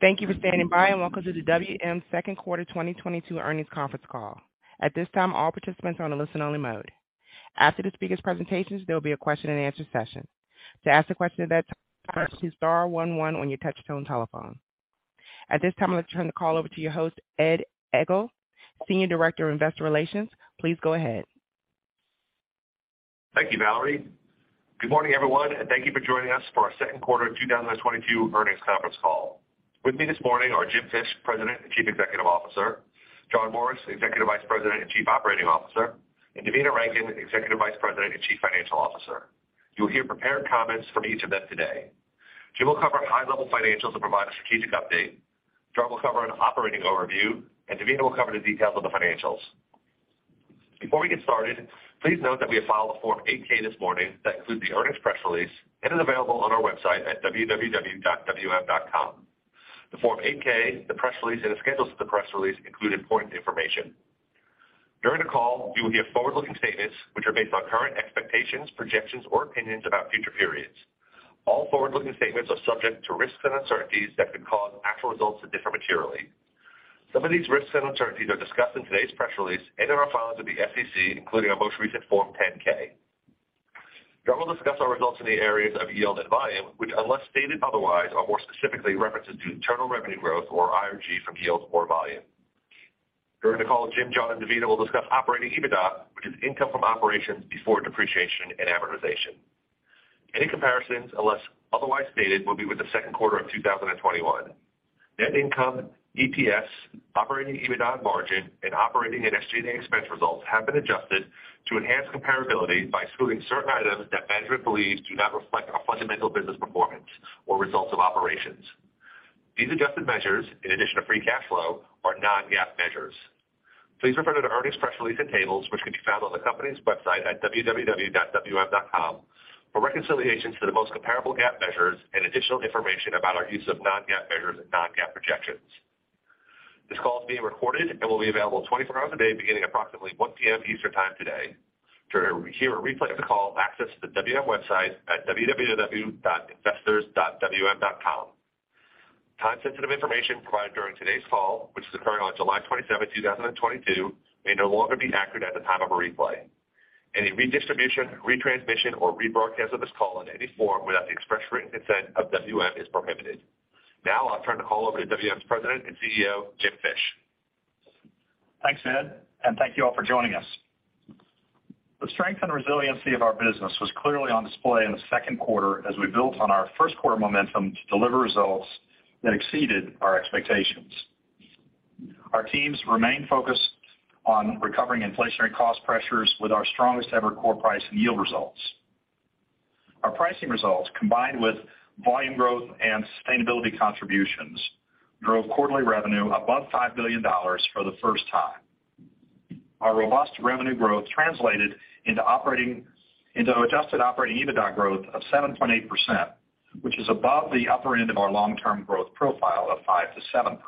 Thank you for standing by, and welcome to the WM Q2 2022 Earnings Conference Call. At this time, all participants are on a listen-only mode. After the speakers' presentations, there will be a Q&A session. To ask a question at that time, press star one one on your touchtone telephone. At this time, I'd like to turn the call over to your host, Ed Egl, Senior Director of Investor Relations. Please go ahead. Thank you, Valerie. Good morning, everyone, and thank you for joining us for our Q2 2022 Earnings Conference Call. With me this morning are Jim Fish, President and Chief Executive Officer. John Morris, Executive Vice President and Chief Operating Officer. Devina Rankin, Executive Vice President and Chief Financial Officer. You will hear prepared comments from each of them today. Jim will cover high-level financials and provide a strategic update. John will cover an operating overview, and Devina will cover the details of the financials. Before we get started, please note that we have filed a Form 8-K this morning that includes the earnings press release and is available on our website at www.wm.com. The Form 8-K, the press release, and the schedules to the press release include important information. During the call, you will hear forward-looking statements which are based on current expectations, projections, or opinions about future periods. All forward-looking statements are subject to risks and uncertainties that could cause actual results to differ materially. Some of these risks and uncertainties are discussed in today's press release and in our filings with the SEC, including our most recent Form 10-K. John will discuss our results in the areas of yield and volume, which unless stated otherwise, are more specifically references to internal revenue growth or IRG from yields or volume. During the call, Jim, John, and Devina will discuss operating EBITDA, which is income from operations before depreciation and amortization. Any comparisons, unless otherwise stated, will be with the Q2 of 2021. Net income, EPS, operating EBITDA margin, and operating and SG&A expense results have been adjusted to enhance comparability by excluding certain items that management believes do not reflect our fundamental business performance or results of operations. These adjusted measures, in addition to Free Cash Flow, are non-GAAP measures. Please refer to the earnings press release and tables which can be found on the company's website at www.wm.com for reconciliations to the most comparable GAAP measures and additional information about our use of non-GAAP measures and non-GAAP projections. This call is being recorded and will be available 24 hours a day beginning approximately 1 P.M. Eastern Time today. To hear a replay of the call, access the WM website at investors.wm.com. Time-sensitive information provided during today's call, which is occurring on July 27th, 2022, may no longer be accurate at the time of a replay. Any redistribution, retransmission, or rebroadcast of this call in any form without the express written consent of WM is prohibited. Now I'll turn the call over to WM's President and CEO, Jim Fish. Thanks, Ed, and thank you all for joining us. The strength and resiliency of our business was clearly on display in the Q2 as we built on our Q1 momentum to deliver results that exceeded our expectations. Our teams remain focused on recovering inflationary cost pressures with our strongest ever core price and yield results. Our pricing results, combined with volume growth and sustainability contributions, drove quarterly revenue above $5 billion for the first time. Our robust revenue growth translated into adjusted operating EBITDA growth of 7.8%, which is above the upper end of our long-term growth profile of 5%-7%.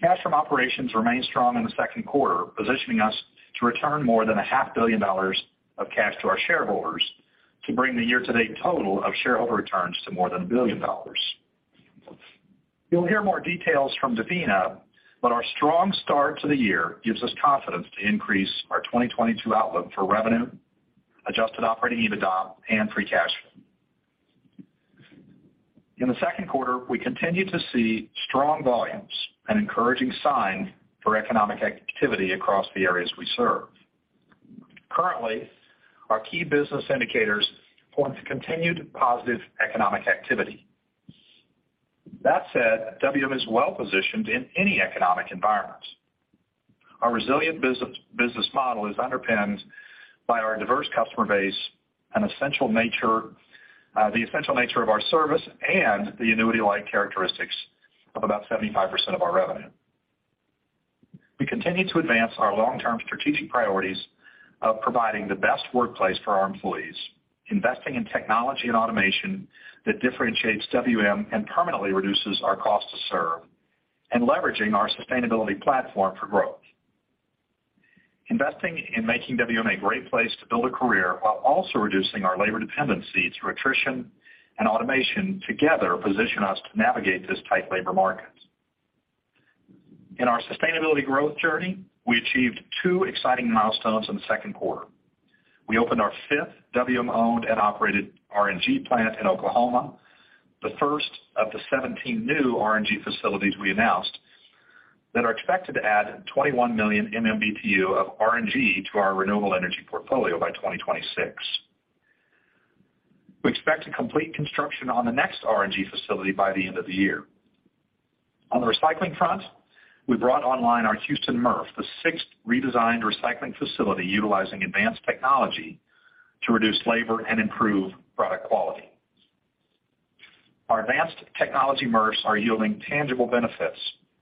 Cash from operations remained strong in the Q2, positioning us to return more than $ half billion dollars of cash to our shareholders to bring the year-to-date total of shareholder returns to more than $1 billion. You'll hear more details from Devina, but our strong start to the year gives us confidence to increase our 2022 outlook for revenue, adjusted operating EBITDA, and Free Cash Flow. In the Q2, we continued to see strong volumes, an encouraging sign for economic activity across the areas we serve. Currently, our key business indicators point to continued positive economic activity. That said, WM is well positioned in any economic environment. Our resilient business model is underpinned by our diverse customer base and the essential nature of our service and the annuity-like characteristics of about 75% of our revenue. We continue to advance our long-term strategic priorities of providing the best workplace for our employees, investing in technology and automation that differentiates WM and permanently reduces our cost to serve, and leveraging our sustainability platform for growth. Investing in making WM a great place to build a career while also reducing our labor dependency through attrition and automation together position us to navigate this tight labor market. In our sustainability growth journey, we achieved two exciting milestones in the Q2. We opened our fifth WM-owned and operated RNG plant in Oklahoma, the first of the 17 new RNG facilities we announced that are expected to add 21 million MMBtu of RNG to our renewable energy portfolio by 2026. We expect to complete construction on the next RNG facility by the end of the year. On the recycling front, we brought online our Houston MRF, the sixth redesigned recycling facility utilizing advanced technology to reduce labor and improve product quality. Our advanced technology MRFs are yielding tangible benefits,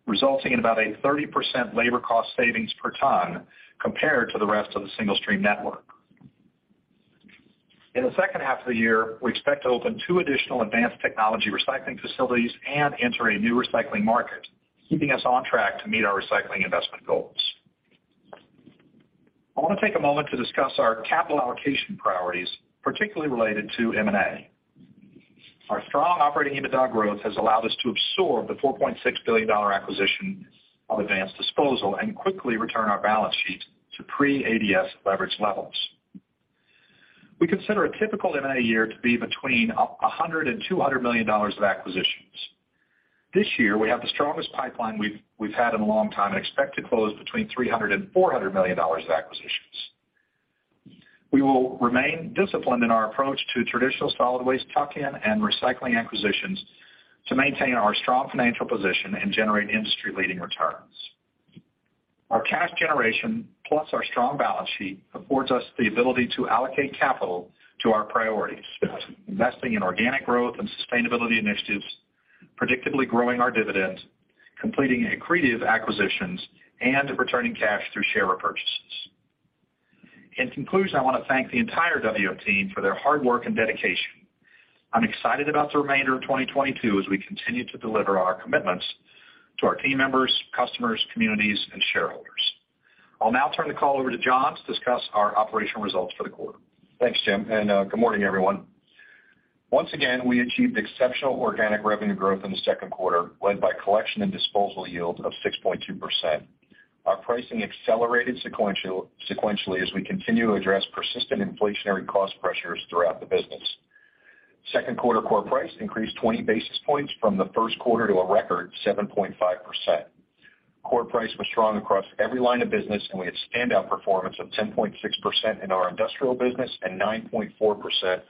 resulting in about a 30% labor cost savings per ton compared to the rest of the single stream network. In the second half of the year, we expect to open two additional advanced technology recycling facilities and enter a new recycling market, keeping us on track to meet our recycling investment goals. I want to take a moment to discuss our capital allocation priorities, particularly related to M&A. Our strong operating EBITDA growth has allowed us to absorb the $4.6 billion acquisition of Advanced Disposal and quickly return our balance sheet to pre-ADS leverage levels. We consider a typical M&A year to be between $100 million and $200 million of acquisitions. This year, we have the strongest pipeline we've had in a long time and expect to close between $300 million and $400 million of acquisitions. We will remain disciplined in our approach to traditional solid waste tuck-in and recycling acquisitions to maintain our strong financial position and generate industry-leading returns. Our cash generation, plus our strong balance sheet, affords us the ability to allocate capital to our priorities, investing in organic growth and sustainability initiatives, predictably growing our dividend, completing accretive acquisitions, and returning cash through share repurchases. In conclusion, I want to thank the entire WM team for their hard work and dedication. I'm excited about the remainder of 2022 as we continue to deliver on our commitments to our team members, customers, communities, and shareholders. I'll now turn the call over to John to discuss our operational results for the quarter. Thanks, Jim, and good morning, everyone. Once again, we achieved exceptional organic revenue growth in the Q2, led by collection and disposal yield of 6.2%. Our pricing accelerated sequentially as we continue to address persistent inflationary cost pressures throughout the business. Q2 core price increased 20 basis points from the Q1 to a record 7.5%. core price was strong across every line of business, and we had standout performance of 10.6% in our industrial business and 9.4%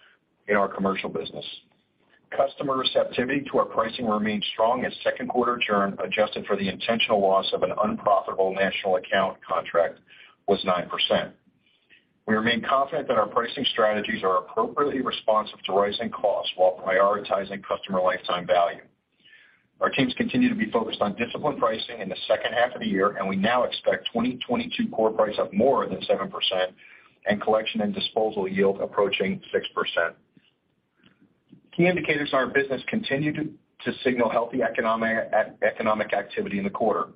in our commercial business. Customer receptivity to our pricing remained strong as Q2 churn, adjusted for the intentional loss of an unprofitable national account contract, was 9%. We remain confident that our pricing strategies are appropriately responsive to rising costs while prioritizing customer lifetime value. Our teams continue to be focused on disciplined pricing in the second half of the year, and we now expect 2022 core price up more than 7% and collection and disposal yield approaching 6%. Key indicators in our business continue to signal healthy economic activity in the quarter.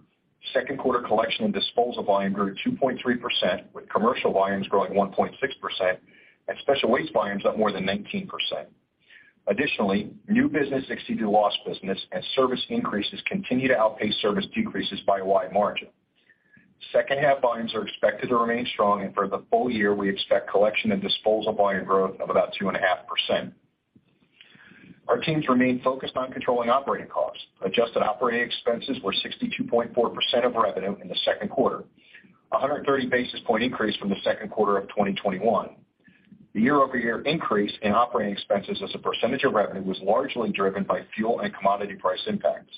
Q2 collection and disposal volume grew 2.3%, with commercial volumes growing 1.6% and special waste volumes up more than 19%. Additionally, new business exceeded lost business, and service increases continue to outpace service decreases by a wide margin. Second half volumes are expected to remain strong, and for the full year, we expect collection and disposal volume growth of about 2.5%. Our teams remain focused on controlling operating costs. Adjusted operating expenses were 62.4% of revenue in the Q2, a 130 basis point increase from the Q2 of 2021. The year-over-year increase in operating expenses as a percentage of revenue was largely driven by fuel and commodity price impacts.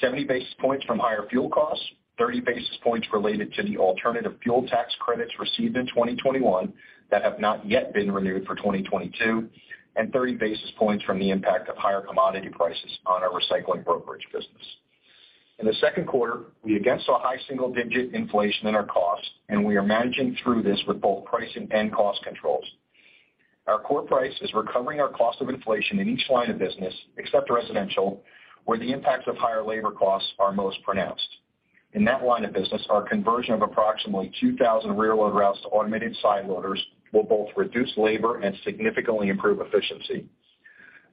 70 basis points from higher fuel costs, 30 basis points related to the alternative fuel tax credits received in 2021 that have not yet been renewed for 2022, and 30 basis points from the impact of higher commodity prices on our recycling brokerage business. In the Q2, we again saw high single-digit inflation in our costs, and we are managing through this with both pricing and cost controls. Our core price is recovering our cost of inflation in each line of business, except residential, where the impacts of higher labor costs are most pronounced. In that line of business, our conversion of approximately 2,000 rear load routes to automated side loaders will both reduce labor and significantly improve efficiency.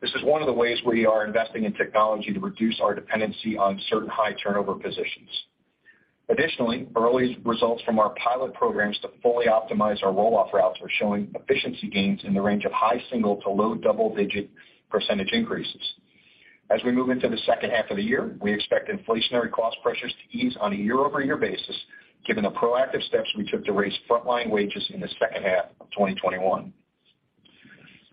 This is one of the ways we are investing in technology to reduce our dependency on certain high-turnover positions. Additionally, early results from our pilot programs to fully optimize our roll-off routes are showing efficiency gains in the range of high single- to low double-digit % increases. As we move into the second half of the year, we expect inflationary cost pressures to ease on a year-over-year basis, given the proactive steps we took to raise frontline wages in the second half of 2021.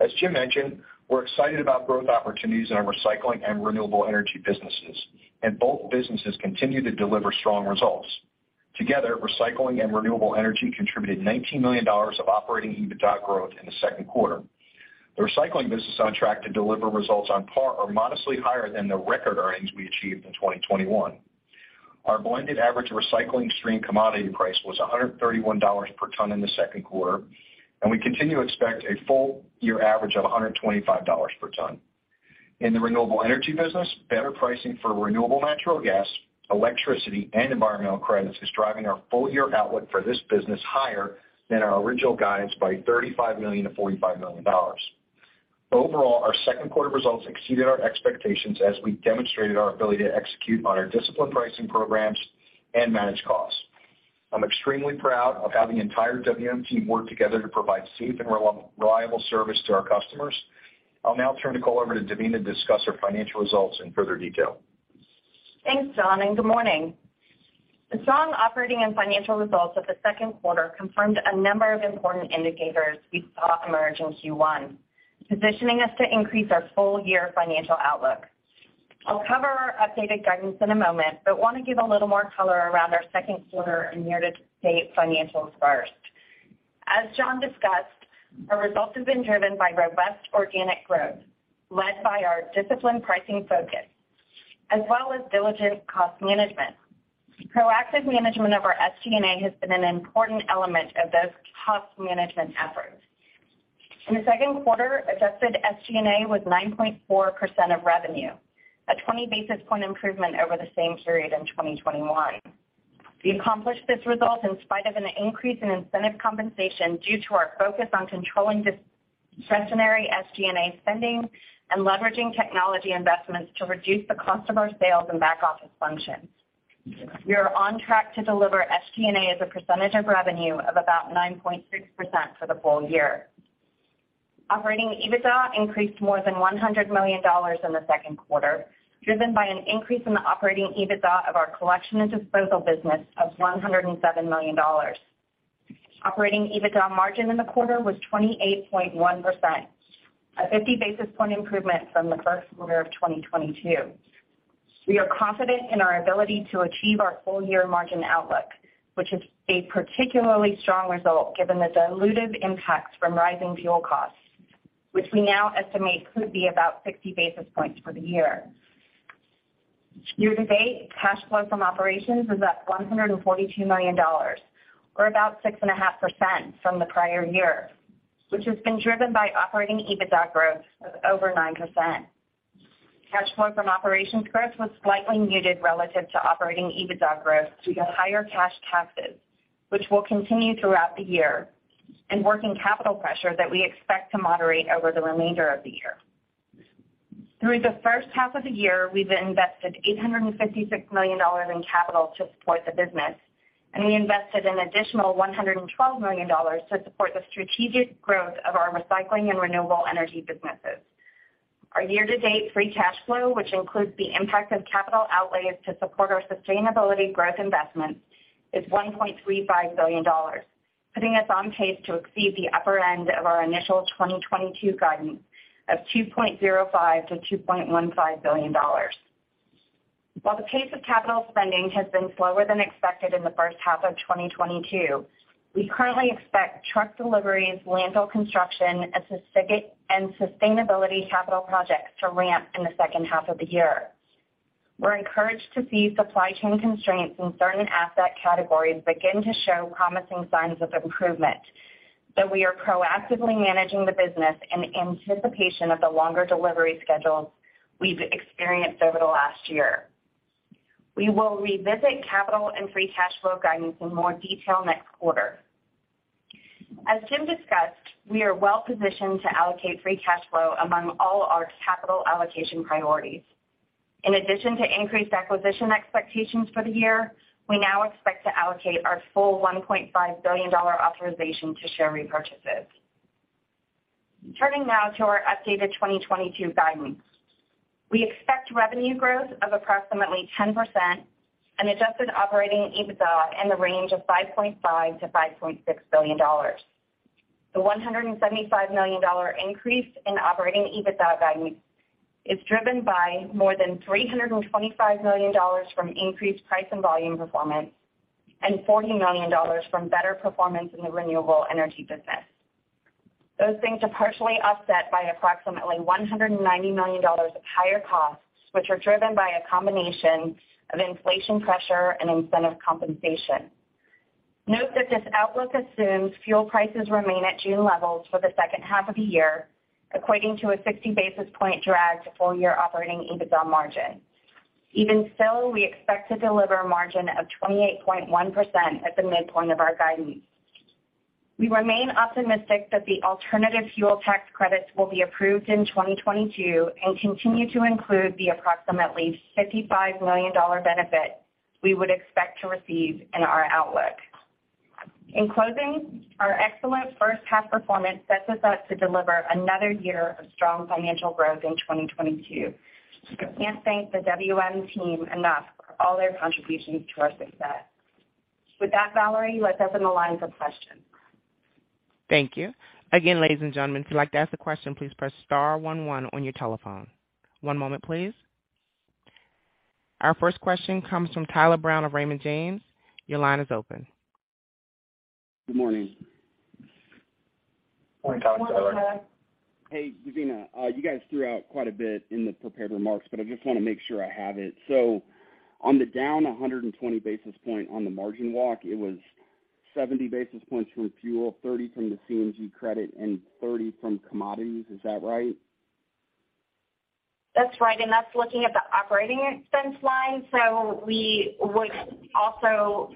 As Jim mentioned, we're excited about growth opportunities in our recycling and renewable energy businesses, and both businesses continue to deliver strong results. Together, recycling and renewable energy contributed $19 million of operating EBITDA growth in the Q2. The recycling business is on track to deliver results on par or modestly higher than the record earnings we achieved in 2021. Our blended average recycling stream commodity price was $131 per ton in the Q2, and we continue to expect a full year average of $125 per ton. In the renewable energy business, better pricing for Renewable Natural Gas, electricity, and environmental credits is driving our full year outlook for this business higher than our original guidance by $35 million-$45 million. Overall, our Q2 results exceeded our expectations as we demonstrated our ability to execute on our disciplined pricing programs and manage costs. I'm extremely proud of how the entire WM team worked together to provide safe and reliable service to our customers. I'll now turn the call over to Devina to discuss our financial results in further detail. Thanks, John, and good morning. The strong operating and financial results of the Q2 confirmed a number of important indicators we saw emerge in Q1, positioning us to increase our full year financial outlook. I'll cover our updated guidance in a moment, but want to give a little more color around our Q2 and year-to-date financials first. As John discussed, our results have been driven by robust organic growth led by our disciplined pricing focus as well as diligent cost management. Proactive management of our SG&A has been an important element of those cost management efforts. In the Q2, adjusted SG&A was 9.4% of revenue, a 20 basis point improvement over the same period in 2021. We accomplished this result in spite of an increase in incentive compensation due to our focus on controlling discretionary SG&A spending and leveraging technology investments to reduce the cost of our sales and back-office functions. We are on track to deliver SG&A as a percentage of revenue of about 9.6% for the full year. Operating EBITDA increased more than $100 million in the Q2 driven by an increase in the operating EBITDA of our collection and disposal business of $107 million. Operating EBITDA margin in the quarter was 28.1%, a 50 basis point improvement from the Q1 of 2022. We are confident in our ability to achieve our full year margin outlook, which is a particularly strong result given the dilutive impacts from rising fuel costs, which we now estimate could be about 60 basis points for the year. Year-to-date, cash flow from operations is up $142 million or about 6.5% from the prior year, which has been driven by operating EBITDA growth of over 9%. Cash flow from operations growth was slightly muted relative to operating EBITDA growth due to higher cash taxes, which will continue throughout the year and working capital pressure that we expect to moderate over the remainder of the year. Through the first half of the year, we've invested $856 million in capital to support the business, and we invested an additional $112 million to support the strategic growth of our recycling and renewable energy businesses. Our year-to-date Free Cash Flow, which includes the impact of capital outlays to support our sustainability growth investments, is $1.35 billion, putting us on pace to exceed the upper end of our initial 2022 guidance of $2.05 billion-$2.15 billion. While the pace of capital spending has been slower than expected in the first half of 2022, we currently expect truck deliveries, landfill construction, and sustainability capital projects to ramp in the second half of the year. We're encouraged to see supply chain constraints in certain asset categories begin to show promising signs of improvement, though we are proactively managing the business in anticipation of the longer delivery schedules we've experienced over the last year. We will revisit capital and Free Cash Flow guidance in more detail next quarter. As Jim discussed, we are well-positioned to allocate Free Cash Flow among all our capital allocation priorities. In addition to increased acquisition expectations for the year, we now expect to allocate our full $1.5 billion authorization to share repurchases. Turning now to our updated 2022 guidance. We expect revenue growth of approximately 10% and adjusted operating EBITDA in the range of $5.5 billion-$5.6 billion. The $175 million increase in operating EBITDA guidance is driven by more than $325 million from increased price and volume performance and $40 million from better performance in the renewable energy business. Those things are partially offset by approximately $190 million of higher costs, which are driven by a combination of inflation pressure and incentive compensation. Note that this outlook assumes fuel prices remain at June levels for the second half of the year, equating to a 60 basis point drag to full year operating EBITDA margin. Even so, we expect to deliver a margin of 28.1% at the midpoint of our guidance. We remain optimistic that the alternative fuel tax credits will be approved in 2022 and continue to include the approximately $55 million benefit we would expect to receive in our outlook. In closing, our excellent first half performance sets us up to deliver another year of strong financial growth in 2022. I can't thank the WM team enough for all their contributions to our success. With that, Valerie, let's open the line for questions. Thank you. Again, ladies and gentlemen, if you'd like to ask a question, please press star one one on your telephone. One moment, please. Our first question comes from Tyler Brown of Raymond James. Your line is open. Good morning. Good morning, Tyler. Hey, Devina. You guys threw out quite a bit in the prepared remarks, but I just wanna make sure I have it. On the down 120 basis points on the margin walk, it was 70 basis points from fuel, 30 from the CNG credit, and 30 from commodities. Is that right? That's right. That's looking at the operating expense line. We would also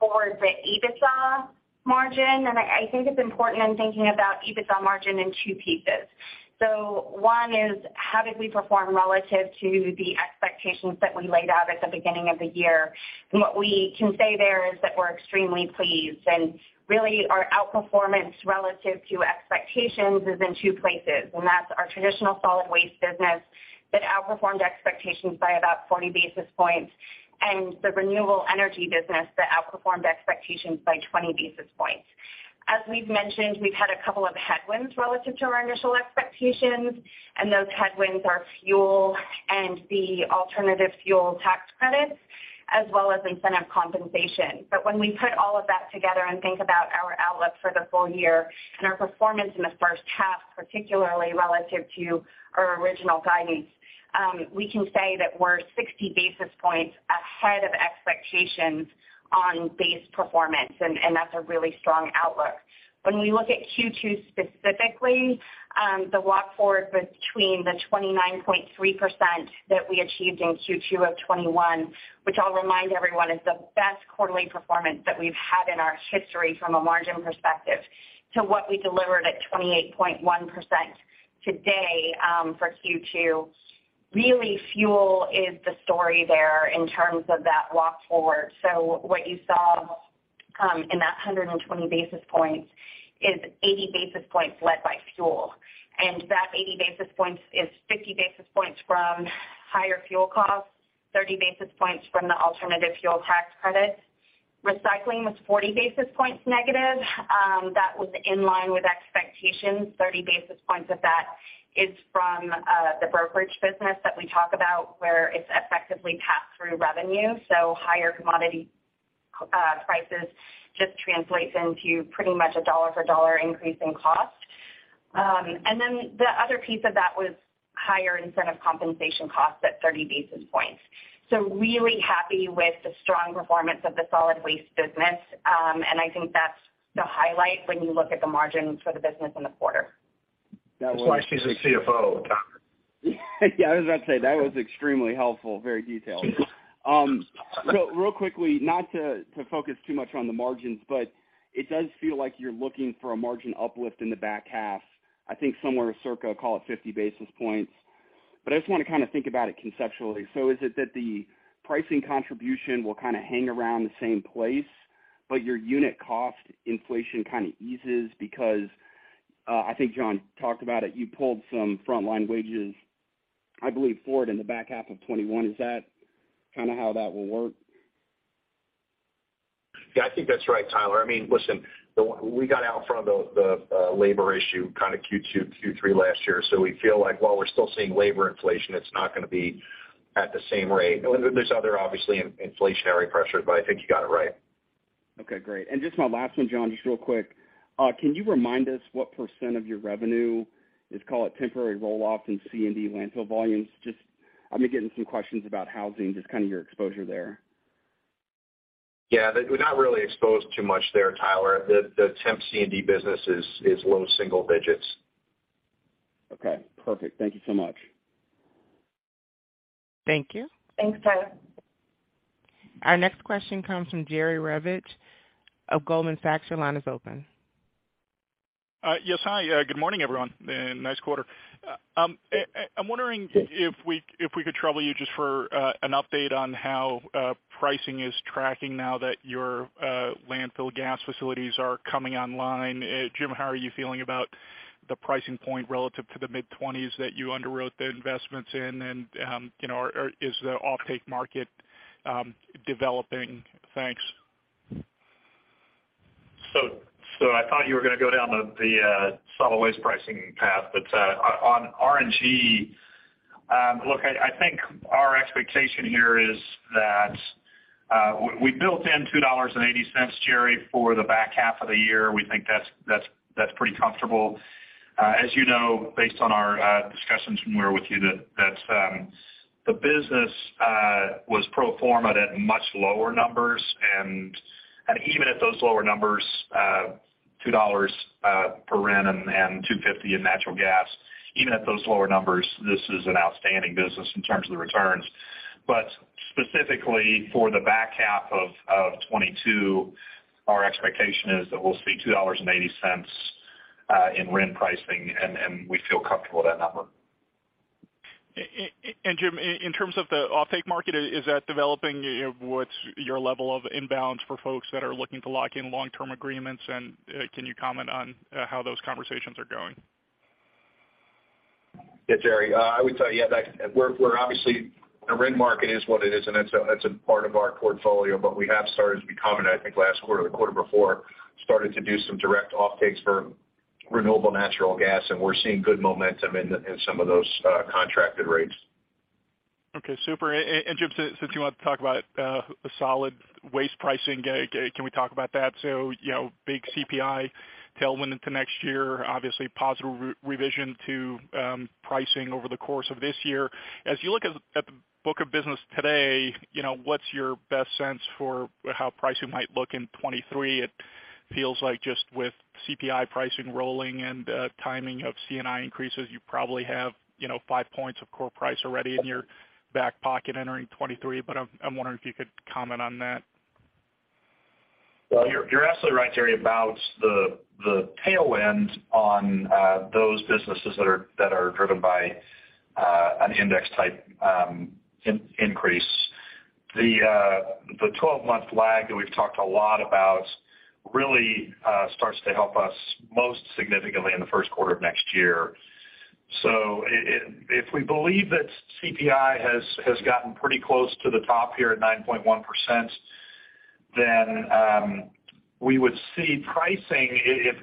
forecast the EBITDA margin. I think it's important in thinking about EBITDA margin in two pieces. One is how did we perform relative to the expectations that we laid out at the beginning of the year? What we can say there is that we're extremely pleased and really our outperformance relative to expectations is in two places, and that's our traditional solid waste business that outperformed expectations by about 40 basis points and the renewable energy business that outperformed expectations by 20 basis points. As we've mentioned, we've had a couple of headwinds relative to our initial expectations, and those headwinds are fuel and the alternative fuel tax credits. As well as incentive compensation. when we put all of that together and think about our outlook for the full year and our performance in the first half, particularly relative to our original guidance, we can say that we're 60 basis points ahead of expectations on base performance, and that's a really strong outlook. When we look at Q2 specifically, the walk forward between the 29.3% that we achieved in Q2 of 2021, which I'll remind everyone is the best quarterly performance that we've had in our history from a margin perspective, to what we delivered at 28.1% today, for Q2, really fuel is the story there in terms of that walk forward. What you saw, in that 120 basis points is 80 basis points led by fuel. That 80 basis points is 50 basis points from higher fuel costs, 30 basis points from the alternative fuel tax credits. Recycling was 40 basis points negative. That was in line with expectations. 30 basis points of that is from the brokerage business that we talk about, where it's effectively pass through revenue, so higher commodity prices just translates into pretty much a dollar-for-dollar increase in cost. The other piece of that was higher incentive compensation costs at 30 basis points. Really happy with the strong performance of the solid waste business. I think that's the highlight when you look at the margins for the business in the quarter. That's why she's the CFO, Tyler. Yeah, I was about to say that was extremely helpful, very detailed. Real quickly, not to focus too much on the margins, but it does feel like you're looking for a margin uplift in the back half. I think somewhere circa, call it 50 basis points. I just wanna kind of think about it conceptually. Is it that the pricing contribution will kind of hang around the same place, but your unit cost inflation kind of eases? Because I think John talked about it, you pulled some frontline wages, I believe, forward in the back half of 2021. Is that kind of how that will work? Yeah, I think that's right, Tyler. I mean, listen, we got out in front of the labor issue kind of Q2, Q3 last year. We feel like while we're still seeing labor inflation, it's not gonna be at the same rate. There's other obviously inflationary pressures, but I think you got it right. Okay, great. Just my last one, John, just real quick. Can you remind us what % of your revenue is, call it temporary roll-off in C&D landfill volumes? Just, I've been getting some questions about housing, just kind of your exposure there. Yeah. We're not really exposed to much there, Tyler. The temp C&D business is low single-digits. Okay, perfect. Thank you so much. Thank you. Thanks, Tyler. Our next question comes from Jerry Revich of Goldman Sachs. Your line is open. Yes, hi. Good morning, everyone, and nice quarter. I'm wondering if we could trouble you just for an update on how pricing is tracking now that your landfill gas facilities are coming online. Jim, how are you feeling about the pricing point relative to the mid-20s that you underwrote the investments in? You know, is the offtake market developing? Thanks. I thought you were gonna go down the solid waste pricing path. On RNG, look, I think our expectation here is that we built in $2.80, Jerry, for the back half of the year. We think that's pretty comfortable. As you know, based on our discussions with you that the business was pro forma at much lower numbers. I mean, even at those lower numbers, $2 per RIN and $2.50 in natural gas, even at those lower numbers, this is an outstanding business in terms of the returns. Specifically for the back half of 2022, our expectation is that we'll see $2.80 in RIN pricing, and we feel comfortable with that number. Jim, in terms of the offtake market, is that developing? What's your level of inbounds for folks that are looking to lock in long-term agreements? Can you comment on how those conversations are going? Yeah, Jerry, I would tell you, yeah, the RIN market is what it is, and it's a part of our portfolio. We have started, I think, last quarter or the quarter before, to do some direct offtakes for Renewable Natural Gas, and we're seeing good momentum in some of those contracted rates. Okay, super. Jim, since you want to talk about solid waste pricing, can we talk about that? You know, big CPI tailwind into next year, obviously positive revision to pricing over the course of this year. As you look at the book of business today, you know, what's your best sense for how pricing might look in 2023? It feels like just with CPI pricing rolling and timing of C&I increases, you probably have, you know, five points of core price already in your back pocket entering 2023, but I'm wondering if you could comment on that. Well, you're absolutely right, Jerry, about the tailwind on those businesses that are driven by an index type increase. The 12-month lag that we've talked a lot about really starts to help us most significantly in the Q1 of next year. If we believe that CPI has gotten pretty close to the top here at 9.1%. Then, we would see pricing.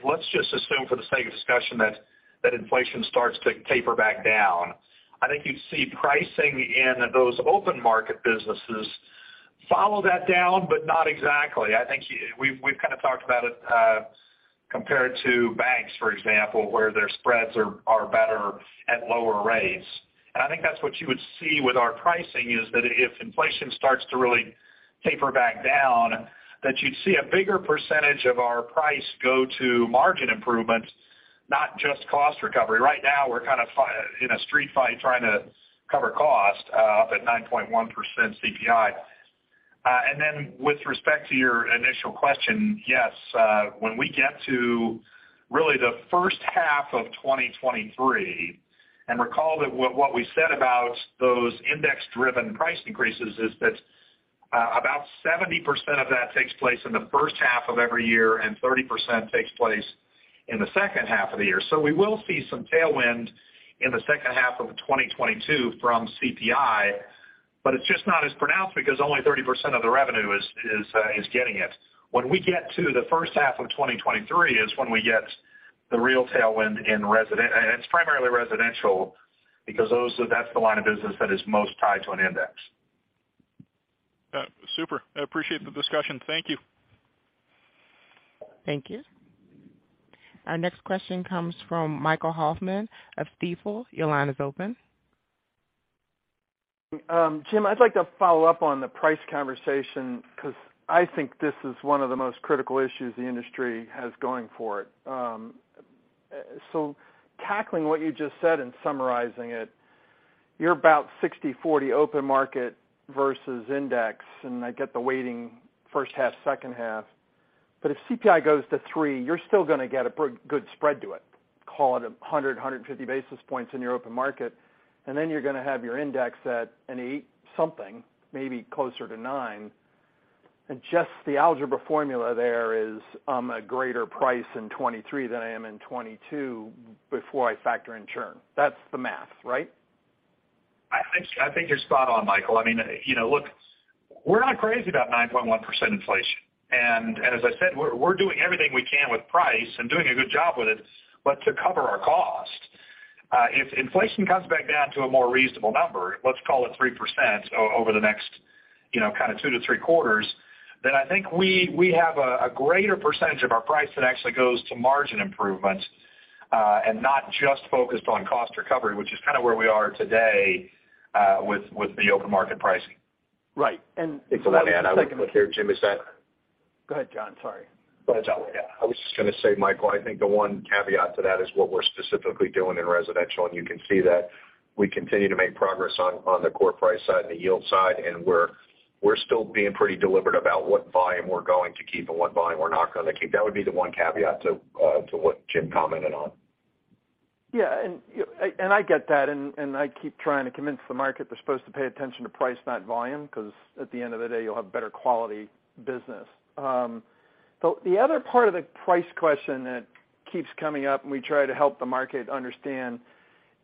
Let's just assume for the sake of discussion that inflation starts to taper back down. I think you'd see pricing in those open market businesses follow that down, but not exactly. I think we've kind of talked about it compared to banks, for example, where their spreads are better at lower rates. I think that's what you would see with our pricing is that if inflation starts to really taper back down, that you'd see a bigger percentage of our price go to margin improvement, not just cost recovery. Right now, we're kind of in a street fight trying to cover cost up at 9.1% CPI. With respect to your initial question, yes, when we get to really the first half of 2023, and recall that what we said about those index-driven price increases is that about 70% of that takes place in the first half of every year, and 30% takes place in the second half of the year. We will see some tailwind in the second half of 2022 from CPI, but it's just not as pronounced because only 30% of the revenue is getting it. When we get to the first half of 2023 is when we get the real tailwind in residential and it's primarily residential because that's the line of business that is most tied to an index. Super. I appreciate the discussion. Thank you. Thank you. Our next question comes from Michael Hoffman of Stifel. Your line is open. Jim, I'd like to follow up on the price conversation because I think this is one of the most critical issues the industry has going for it. Tackling what you just said and summarizing it, you're about 60/40 open market versus index, and I get the weighting first half, second half. If CPI goes to 3%, you're still gonna get a good spread to it, call it 100-150 basis points in your open market. Then you're gonna have your index at an 8 something, maybe closer to nine. Just the algebra formula there is a greater price in 2023 than I am in 2022 before I factor in churn. That's the math, right? I think you're spot on, Michael. I mean, you know, look, we're not crazy about 9.1% inflation. As I said, we're doing everything we can with price and doing a good job with it, but to cover our cost. If inflation comes back down to a more reasonable number, let's call it 3% over the next, you know, kind of two to three quarters, then I think we have a greater percentage of our price that actually goes to margin improvement, and not just focused on cost recovery, which is kind of where we are today, with the open market pricing. Right. If I may add a quick here, Jim, is that. Go ahead, John. Sorry. I was just gonna say, Michael, I think the one caveat to that is what we're specifically doing in residential. You can see that we continue to make progress on the core price side and the yield side, and we're still being pretty deliberate about what volume we're going to keep and what volume we're not gonna keep. That would be the one caveat to what Jim commented on. Yeah. I get that. I keep trying to convince the market they're supposed to pay attention to price, not volume, because at the end of the day, you'll have better quality business. The other part of the price question that keeps coming up and we try to help the market understand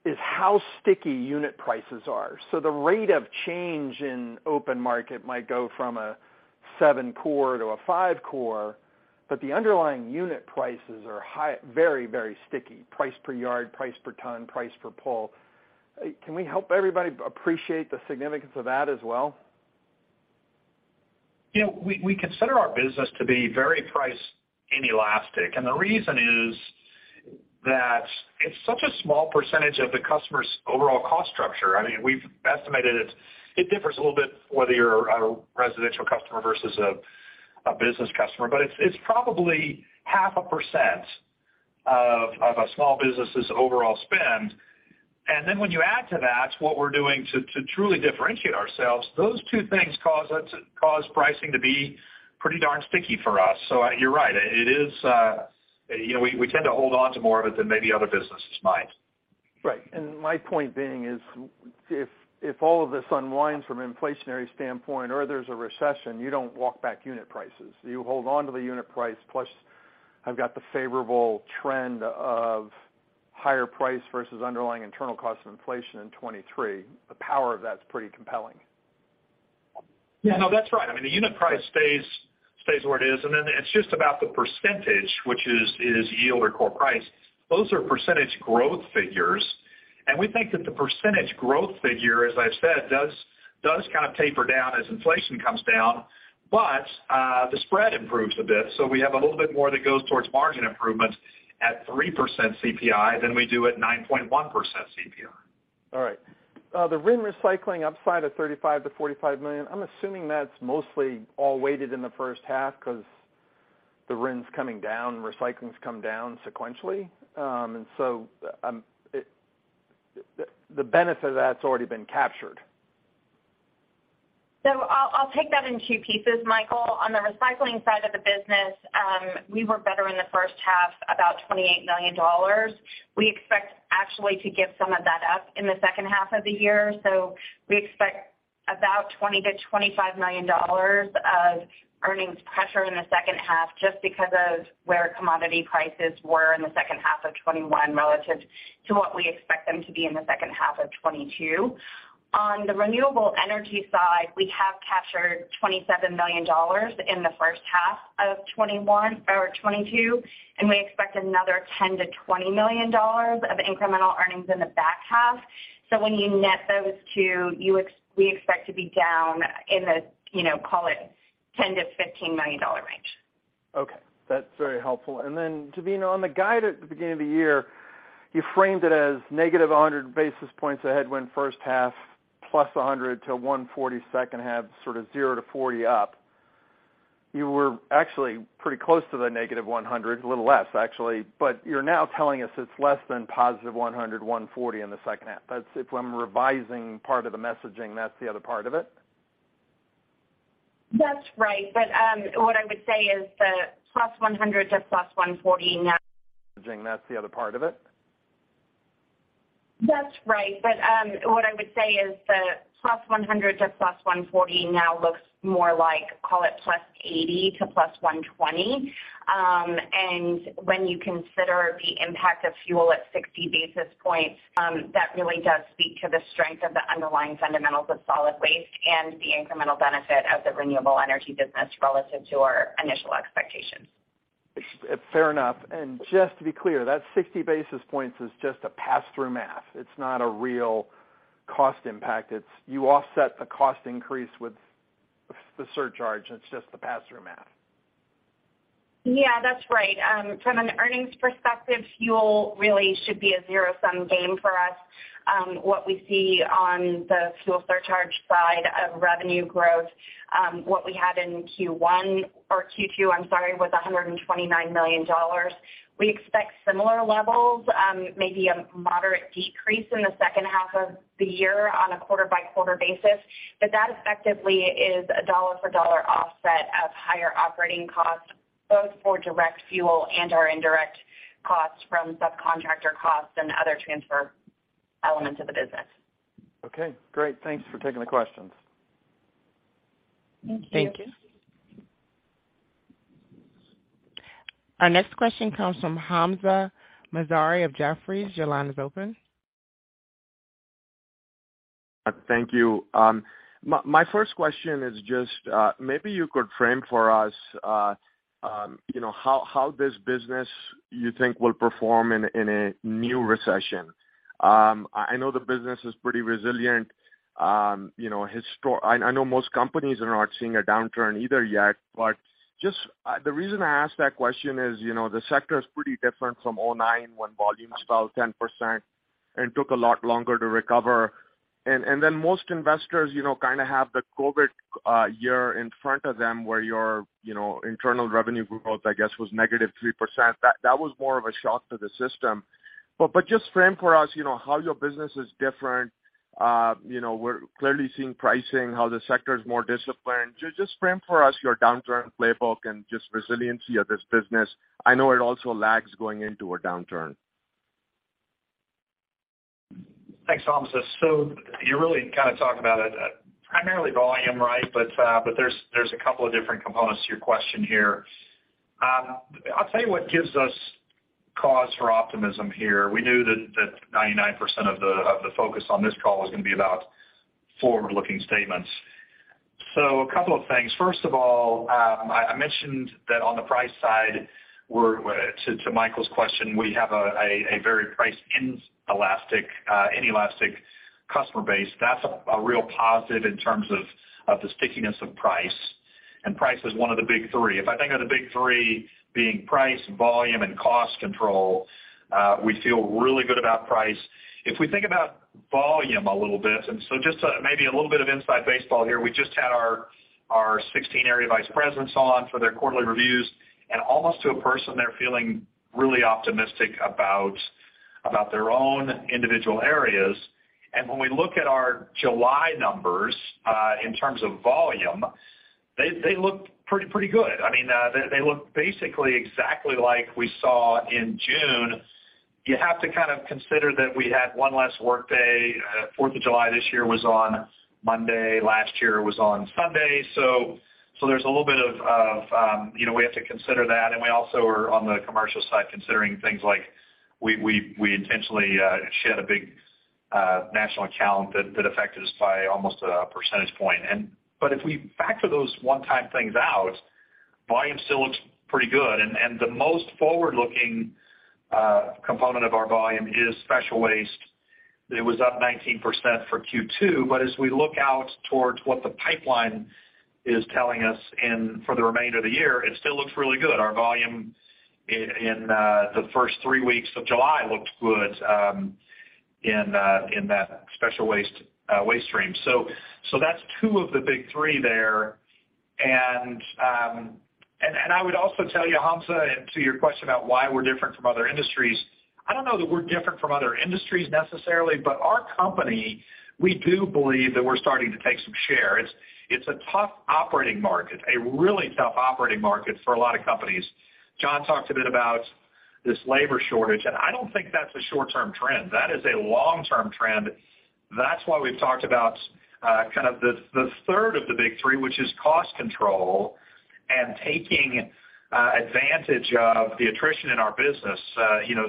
is how sticky unit prices are. The rate of change in open market might go from a 7% core to a 5% core, but the underlying unit prices are high, very, very sticky, price per yard, price per ton, price per pull. Can we help everybody appreciate the significance of that as well? You know, we consider our business to be very price inelastic. The reason is that it's such a small percentage of the customer's overall cost structure. I mean, we've estimated it. It differs a little bit whether you're a residential customer versus a business customer, but it's probably 0.5% of a small business's overall spend. When you add to that what we're doing to truly differentiate ourselves, those two things cause pricing to be pretty darn sticky for us. You're right. It is, you know, we tend to hold on to more of it than maybe other businesses might. Right. My point being is if all of this unwinds from an inflationary standpoint or there's a recession, you don't walk back unit prices. You hold on to the unit price. Plus, I've got the favorable trend of higher price versus underlying internal cost of inflation in 2023. The power of that's pretty compelling. Yeah. No, that's right. I mean, the unit price stays where it is, and then it's just about the percentage, which is yield or core price. Those are percentage growth figures. We think that the percentage growth figure, as I've said, does kind of taper down as inflation comes down, but the spread improves a bit. We have a little bit more that goes towards margin improvements at 3% CPI than we do at 9.1% CPI. All right. The RIN recycling upside of $35-$45 million, I'm assuming that's mostly all weighted in the first half 'cause the RIN's coming down, recycling's come down sequentially. The benefit of that's already been captured. I'll take that in two pieces, Michael. On the recycling side of the business, we were better in the first half, about $28 million. We expect actually to give some of that up in the second half of the year. We expect about $20-$25 million of earnings pressure in the second half just because of where commodity prices were in the second half of 2021 relative to what we expect them to be in the second half of 2022. On the renewable energy side, we have captured $27 million in the first half of 2021 or 2022, and we expect another $10-$20 million of incremental earnings in the back half. When you net those two, we expect to be down in the, you know, call it $10-$15 million range. Okay, that's very helpful. Then, Devina, on the guide at the beginning of the year, you framed it as negative 100 basis points ahead when first half plus 100 to 140 second half, sort of zero to 40 up. You were actually pretty close to the negative 100, a little less actually, but you're now telling us it's less than positive 100, 140 in the second half. That's if I'm revising part of the messaging, that's the other part of it? That's right. What I would say is the +100 to +140 now- Messaging, that's the other part of it? That's right. What I would say is the +100 to +140 now looks more like, call it +80 to +120. When you consider the impact of fuel at 60 basis points, that really does speak to the strength of the underlying fundamentals of solid waste and the incremental benefit of the renewable energy business relative to our initial expectations. Fair enough. Just to be clear, that 60 basis points is just a pass-through math. It's not a real cost impact. You offset the cost increase with the surcharge, and it's just the pass-through math. Yeah, that's right. From an earnings perspective, fuel really should be a zero-sum game for us. What we see on the fuel surcharge side of revenue growth, what we had in Q1 or Q2, I'm sorry, was $129 million. We expect similar levels, maybe a moderate decrease in the second half of the year on a quarter by quarter basis. That effectively is a dollar-for-dollar offset of higher operating costs, both for direct fuel and our indirect costs from subcontractor costs and other transfer elements of the business. Okay, great. Thanks for taking the questions. Thank you. Thank you. Our next question comes from Hamzah Mazari of Jefferies. Your line is open. Thank you. My first question is just, maybe you could frame for us, you know, how this business, you think will perform in a new recession. I know the business is pretty resilient. You know, I know most companies are not seeing a downturn either yet, but just the reason I ask that question is, you know, the sector is pretty different from 2009 when volumes fell 10% and took a lot longer to recover. Then most investors, you know, kinda have the COVID year in front of them where your, you know, internal revenue growth, I guess, was negative 3%. That was more of a shock to the system. Just frame for us, you know, how your business is different. You know, we're clearly seeing pricing, how the sector is more disciplined. Just frame for us your downturn playbook and just resiliency of this business. I know it also lags going into a downturn. Thanks, Hamzah. You're really kind of talking about it primarily volume, right? There's a couple of different components to your question here. I'll tell you what gives us cause for optimism here. We knew that 99% of the focus on this call was gonna be about forward-looking statements. A couple of things. First of all, I mentioned that on the price side, we're to Michael's question, we have a very price inelastic customer base. That's a real positive in terms of the stickiness of price, and price is one of the big three. If I think of the big three being price, volume, and cost control, we feel really good about price. If we think about volume a little bit, just maybe a little bit of inside baseball here, we just had our 16 area vice presidents on for their quarterly reviews, and almost to a person, they're feeling really optimistic about their own individual areas. When we look at our July numbers in terms of volume, they look pretty good. I mean, they look basically exactly like we saw in June. You have to kind of consider that we had one less workday. 4th of July this year was on Monday, last year was on Sunday. So there's a little bit of, you know, we have to consider that. We also are on the commercial side, considering things like we intentionally shed a big national account that affected us by almost a percentage point. But if we factor those one-time things out, volume still looks pretty good. The most forward-looking component of our volume is special waste. It was up 19% for Q2. As we look out towards what the pipeline is telling us and for the remainder of the year, it still looks really good. Our volume in the first three weeks of July looked good, in that special waste waste stream. That's two of the big three there. I would also tell you, Hamza, and to your question about why we're different from other industries, I don't know that we're different from other industries necessarily, but our company, we do believe that we're starting to take some share. It's a tough operating market, a really tough operating market for a lot of companies. John talked a bit about this labor shortage, and I don't think that's a short-term trend. That is a long-term trend. That's why we've talked about kind of the third of the big three, which is cost control and taking advantage of the attrition in our business. You know,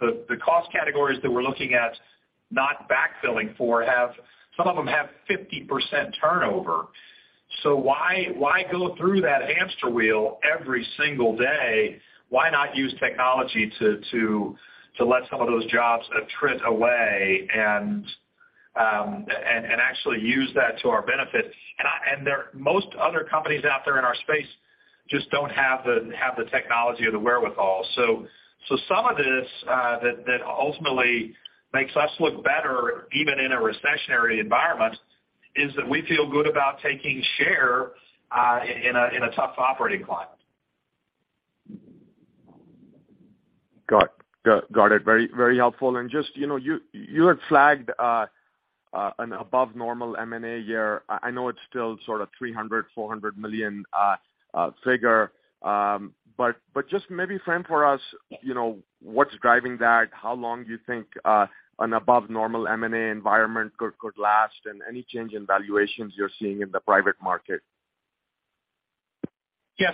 the cost categories that we're looking at not backfilling for have some of them have 50% turnover. So why go through that hamster wheel every single day? Why not use technology to let some of those jobs drift away and actually use that to our benefit? Most other companies out there in our space just don't have the technology or the wherewithal. Some of this that ultimately makes us look better even in a recessionary environment is that we feel good about taking share in a tough operating climate. Got it. Very helpful. Just, you know, you had flagged an above normal M&A year. I know it's still sort of $300 million-$400 million figure. Just maybe frame for us, you know, what's driving that? How long do you think an above normal M&A environment could last, and any change in valuations you're seeing in the private market? Yeah,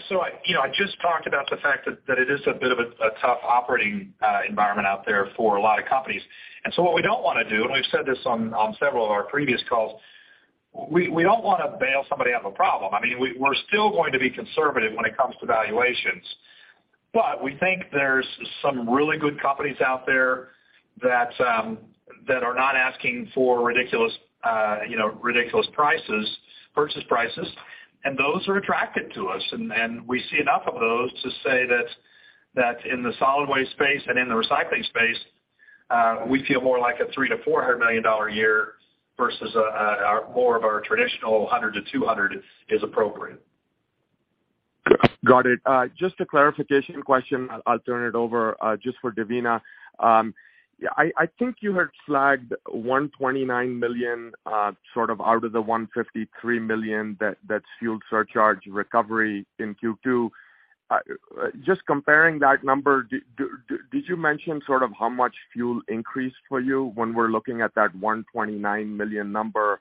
I just talked about the fact that it is a bit of a tough operating environment out there for a lot of companies. What we don't wanna do, and we've said this on several of our previous calls, we don't wanna bail somebody out of a problem. I mean, we're still going to be conservative when it comes to valuations. We think there's some really good companies out there that are not asking for ridiculous purchase prices, and those are attractive to us. we see enough of those to say that in the solid waste space and in the recycling space, we feel more like a $300 million-$400 million a year versus a more of our traditional $100 million-$200 million is appropriate. Got it. Just a clarification question, I'll turn it over just for Devina. I think you had flagged $129 million sort of out of the $153 million that's fuel surcharge recovery in Q2. Just comparing that number, did you mention sort of how much fuel increased for you when we're looking at that $129 million number?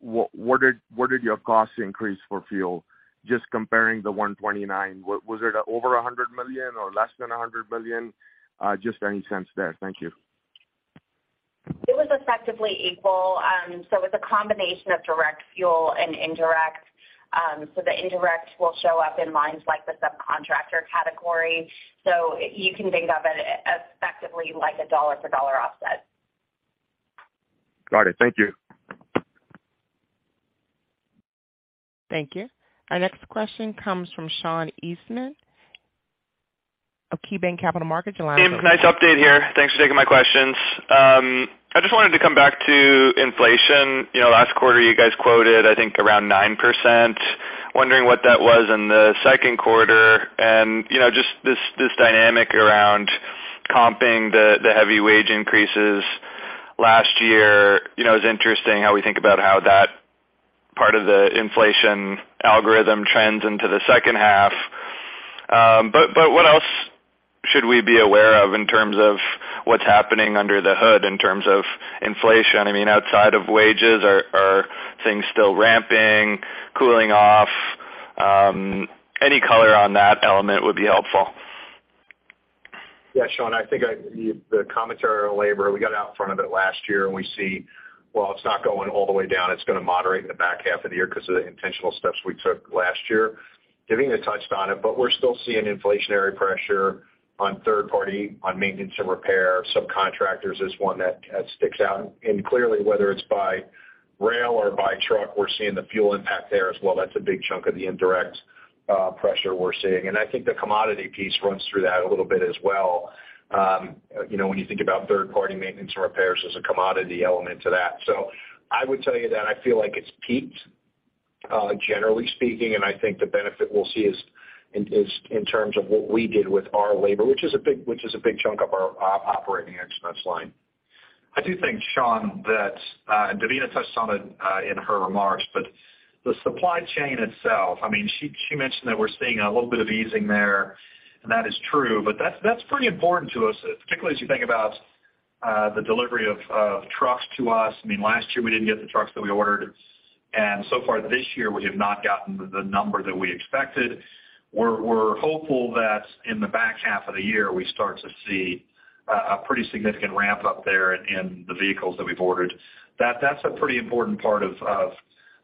What did your cost increase for fuel, just comparing the 129? Was it over $100 million or less than $100 million? Just any sense there. Thank you. It was effectively equal. It's a combination of direct fuel and indirect. The indirect will show up in lines like the subcontractor category. You can think of it effectively like a dollar-for-dollar offset. Got it. Thank you. Thank you. Our next question comes from Sean Eastman of KeyBanc Capital Markets. Your line's open. Jim, nice update here. Thanks for taking my questions. I just wanted to come back to inflation. You know, last quarter, you guys quoted, I think, around 9%. Wondering what that was in the Q2. You know, just this dynamic around comping the heavy wage increases last year, you know, is interesting how we think about how that part of the inflation algorithm trends into the second half. But what else should we be aware of in terms of what's happening under the hood in terms of inflation? I mean, outside of wages, are things still ramping, cooling off? Any color on that element would be helpful. Yeah, Sean, I think the commentary on labor, we got out in front of it last year, and we see, while it's not going all the way down, it's gonna moderate in the back half of the year because of the intentional steps we took last year. Devina touched on it, but we're still seeing inflationary pressure on third-party, on maintenance and repair. Subcontractors is one that sticks out. Clearly, whether it's by rail or by truck, we're seeing the fuel impact there as well. That's a big chunk of the indirect pressure we're seeing. I think the commodity piece runs through that a little bit as well. You know, when you think about third-party maintenance and repairs, there's a commodity element to that. I would tell you that I feel like it's peaked, generally speaking, and I think the benefit we'll see is in terms of what we did with our labor, which is a big chunk of our operating expense line. I do think, Sean, that and Devina touched on it in her remarks, but the supply chain itself, I mean, she mentioned that we're seeing a little bit of easing there, and that is true. That's pretty important to us, particularly as you think about the delivery of trucks to us. I mean, last year, we didn't get the trucks that we ordered, and so far this year, we have not gotten the number that we expected. We're hopeful that in the back half of the year, we start to see a pretty significant ramp up there in the vehicles that we've ordered. That's a pretty important part of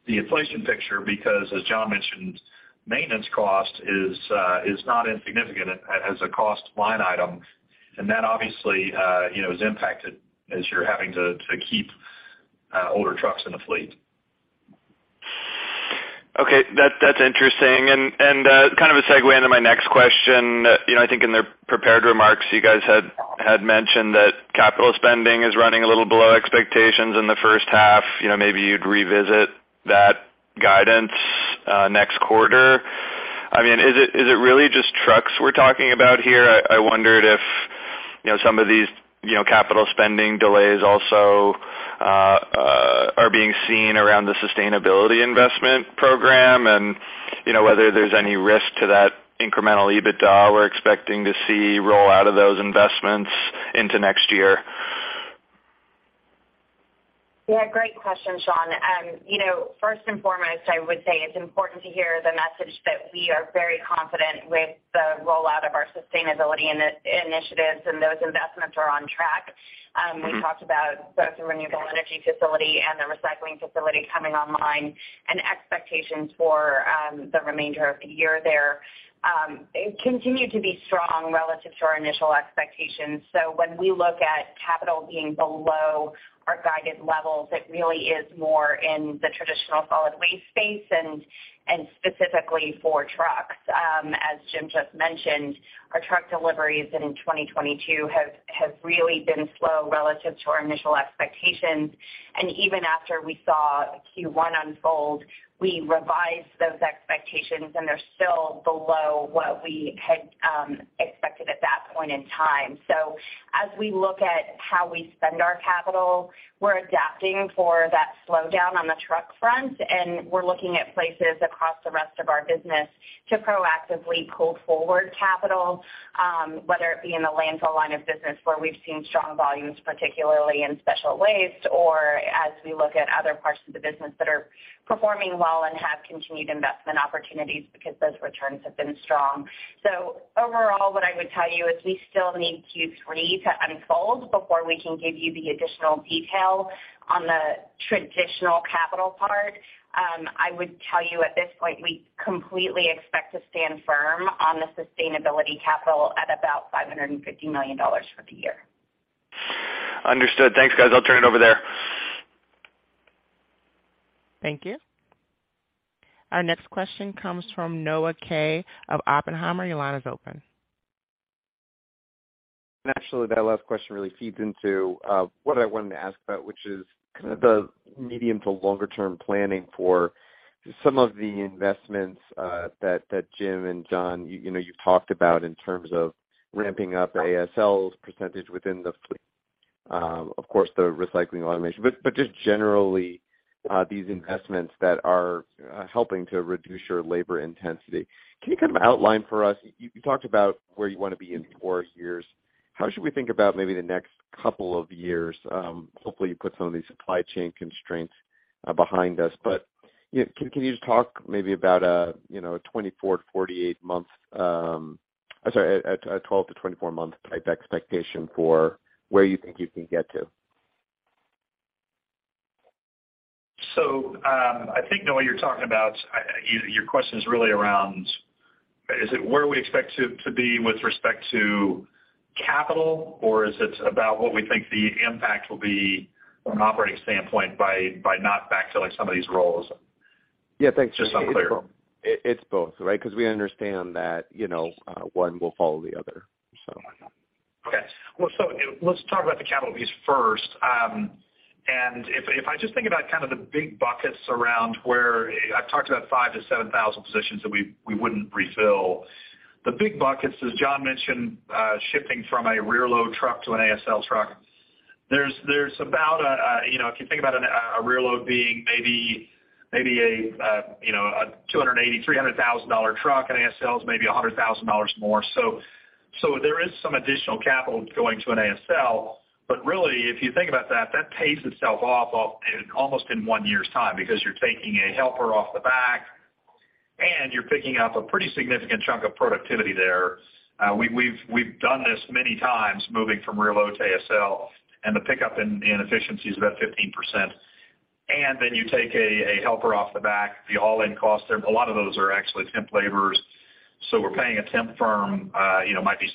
the inflation picture because as John mentioned, maintenance cost is not insignificant as a cost line item. That obviously, you know, is impacted as you're having to keep older trucks in the fleet. Okay. That's interesting. Kind of a segue into my next question. You know, I think in the prepared remarks, you guys had mentioned that capital spending is running a little below expectations in the first half. You know, maybe you'd revisit that guidance next quarter. I mean, is it really just trucks we're talking about here? I wondered if, you know, some of these capital spending delays also are being seen around the sustainability investment program and, you know, whether there's any risk to that incremental EBITDA we're expecting to see roll out of those investments into next year. Yeah, great question, Sean. You know, first and foremost, I would say it's important to hear the message that we are very confident with the rollout of our sustainability initiatives, and those investments are on track. We talked about both the renewable energy facility and the recycling facility coming online and expectations for the remainder of the year there. They continue to be strong relative to our initial expectations. When we look at capital being below our guided levels, it really is more in the traditional solid waste space and specifically for trucks. As Jim just mentioned, our truck deliveries in 2022 have really been slow relative to our initial expectations. Even after we saw Q1 unfold, we revised those expectations and they're still below what we had expected at that point in time. As we look at how we spend our capital, we're adapting for that slowdown on the truck front, and we're looking at places across the rest of our business to proactively pull forward capital, whether it be in the landfill line of business where we've seen strong volumes, particularly in special waste, or as we look at other parts of the business that are performing well and have continued investment opportunities because those returns have been strong. Overall, what I would tell you is we still need Q3 to unfold before we can give you the additional detail on the traditional capital part. I would tell you at this point, we completely expect to stand firm on the sustainability capital at about $550 million for the year. Understood. Thanks, guys. I'll turn it over there. Thank you. Our next question comes from Noah Kaye of Oppenheimer. Your line is open. Actually, that last question really feeds into what I wanted to ask about, which is kind of the medium to longer-term planning for some of the investments that Jim and John you know you talked about in terms of ramping up the ASL percentage within the fleet. Of course, the recycling automation, but just generally these investments that are helping to reduce your labor intensity. Can you kind of outline for us? You talked about where you want to be in four years. How should we think about maybe the next couple of years? Hopefully, you put some of these supply chain constraints behind us. But you know can you just talk maybe about a you know a 24- to 48-month 12-24-month type expectation for where you think you can get to. I think, Noah, you're talking about, your question is really around, is it where we expect to be with respect to capital, or is it about what we think the impact will be from an operating standpoint by not backfilling some of these roles? Yeah, thanks, Jim. Just unclear. It's both, right? Because we understand that, you know, one will follow the other, so. Okay. Well, let's talk about the capital piece first. If I just think about kind of the big buckets around where I've talked about 5-7 thousand positions that we wouldn't refill. The big buckets, as John mentioned, shifting from a rear load truck to an ASL truck. There's about a, you know, if you think about a rear load being maybe a $280,000-$300,000 truck, an ASL is maybe $100,000 more. There is some additional capital going to an ASL. But really, if you think about that pays itself off in almost one year's time because you're taking a helper off the back and you're picking up a pretty significant chunk of productivity there. We've done this many times, moving from rear load to ASL, and the pickup in efficiency is about 15%. Then you take a helper off the back, the all-in cost, a lot of those are actually temp laborers. We're paying a temp firm, might be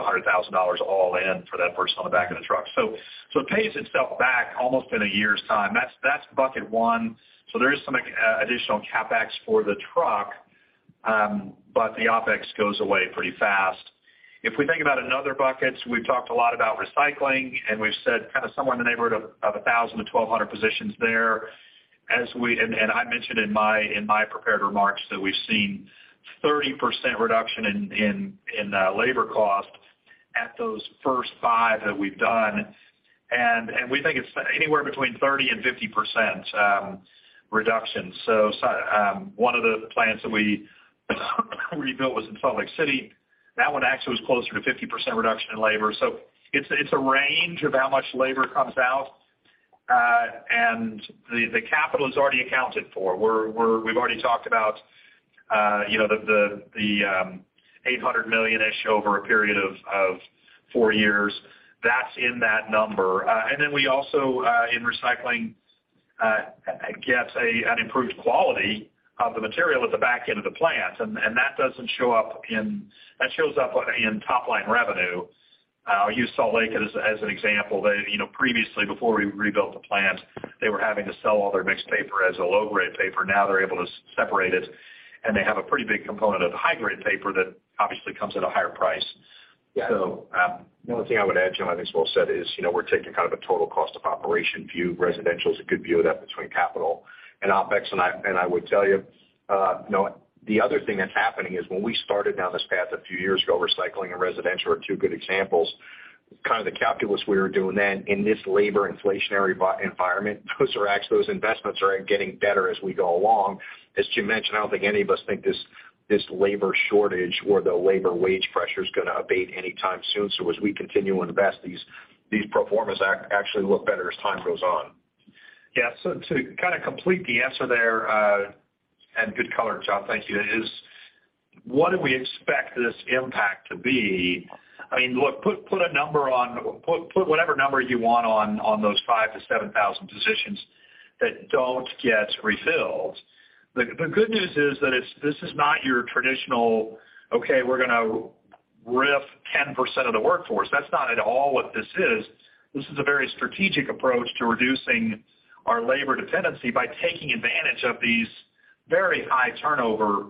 $75,000-$100,000 all in for that person on the back of the truck. It pays itself back almost in a year's time. That's bucket one. There is some additional CapEx for the truck, but the OpEx goes away pretty fast. If we think about another buckets, we've talked a lot about recycling, and we've said kind of somewhere in the neighborhood of 1,000-1,200 positions there. I mentioned in my prepared remarks that we've seen 30% reduction in labor costs at those first 5 that we've done. We think it's anywhere between 30% and 50% reduction. One of the plants that we rebuilt was in Salt Lake City. That one actually was closer to 50% reduction in labor. It's a range of how much labor comes out, and the capital is already accounted for. We've already talked about, you know, the $800 million-ish over a period of four years. That's in that number. And then we also in recycling gets an improved quality of the material at the back end of the plant. That doesn't show up in That shows up in top line revenue. I'll use Salt Lake as an example. They, you know, previously, before we rebuilt the plant, they were having to sell all their mixed paper as a low-grade paper. Now they're able to separate it, and they have a pretty big component of high-grade paper that obviously comes at a higher price. Yeah. So, um- The only thing I would add, Jim, I think it's well said, is, you know, we're taking kind of a total cost of operation view. Residential is a good view of that between capital and OpEx. I would tell you know, the other thing that's happening is when we started down this path a few years ago, recycling and residential are two good examples. Kind of the calculus we were doing then in this labor inflationary environment, those are actually, those investments are getting better as we go along. As Jim mentioned, I don't think any of us think this labor shortage or the labor wage pressure is going to abate anytime soon. We continue to invest, these pro formas actually look better as time goes on. Yeah. To kind of complete the answer there, and good color, John, thank you. What do we expect this impact to be? I mean, look, put whatever number you want on those 5,000-7,000 positions that don't get refilled. The good news is that this is not your traditional, okay, we're gonna RIF 10% of the workforce. That's not at all what this is. This is a very strategic approach to reducing our labor dependency by taking advantage of these very high turnover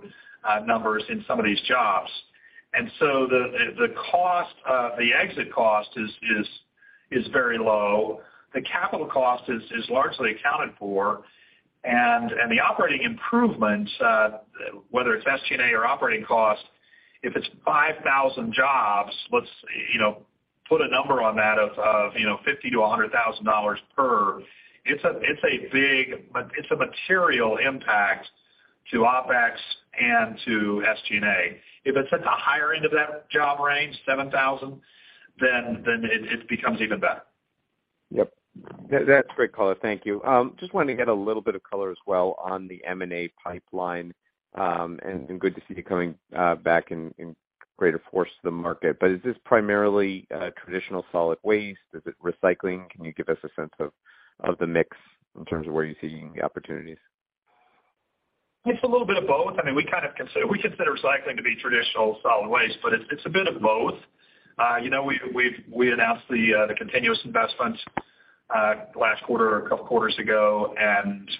numbers in some of these jobs. The cost, the exit cost is very low. The capital cost is largely accounted for. The operating improvements, whether it's SG&A or operating costs, if it's 5,000 jobs, let's you know put a number on that of you know $50,000-$100,000 per. It's a big material impact to OpEx and to SG&A. If it's at the higher-end of that job range, 7,000, then it becomes even better. Yep. That's great color. Thank you. Just wanted to get a little bit of color as well on the M&A pipeline, and good to see you coming back in greater force to the market. Is this primarily traditional solid waste? Is it recycling? Can you give us a sense of the mix in terms of where you're seeing the opportunities? It's a little bit of both. I mean, we consider recycling to be traditional solid waste, but it's a bit of both. You know, we've announced the Continuus Materials last quarter or a couple quarters ago,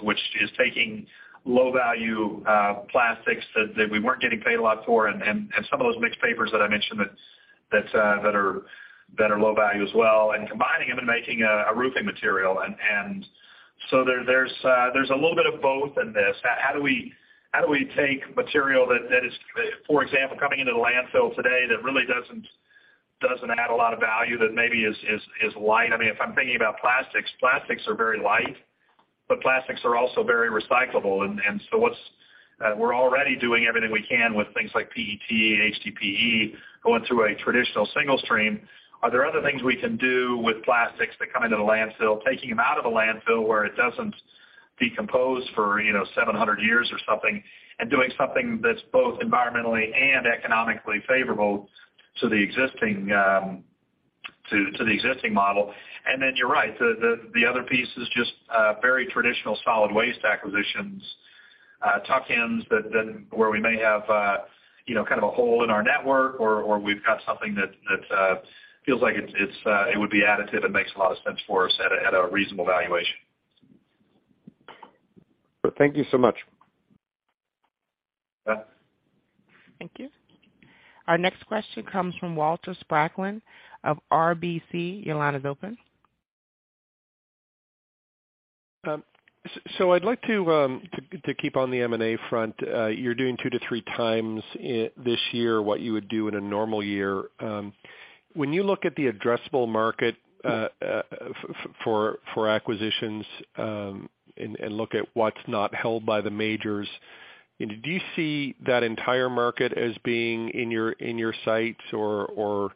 which is taking low-value plastics that we weren't getting paid a lot for and some of those mixed papers that I mentioned that are low value as well, and combining them and making a roofing material. There's a little bit of both in this. How do we take material that is, for example, coming into the landfill today that really doesn't add a lot of value, that maybe is light. I mean, if I'm thinking about plastics are very light, but plastics are also very recyclable. We're already doing everything we can with things like PET and HDPE going through a traditional single stream. Are there other things we can do with plastics that come into the landfill, taking them out of the landfill where it doesn't decompose for, you know, 700 years or something, and doing something that's both environmentally and economically favorable to the existing model? You're right. The other piece is just very traditional solid waste acquisitions, tuck-ins that, where we may have you know kind of a hole in our network or we've got something that feels like it would be additive and makes a lot of sense for us at a reasonable valuation. Thank you so much. Yes. Thank you. Our next question comes from Walter Spracklin of RBC. Your line is open. I'd like to keep on the M&A front. You're doing two to three times this year what you would do in a normal year. When you look at the addressable market for acquisitions and look at what's not held by the majors, do you see that entire market as being in your sights or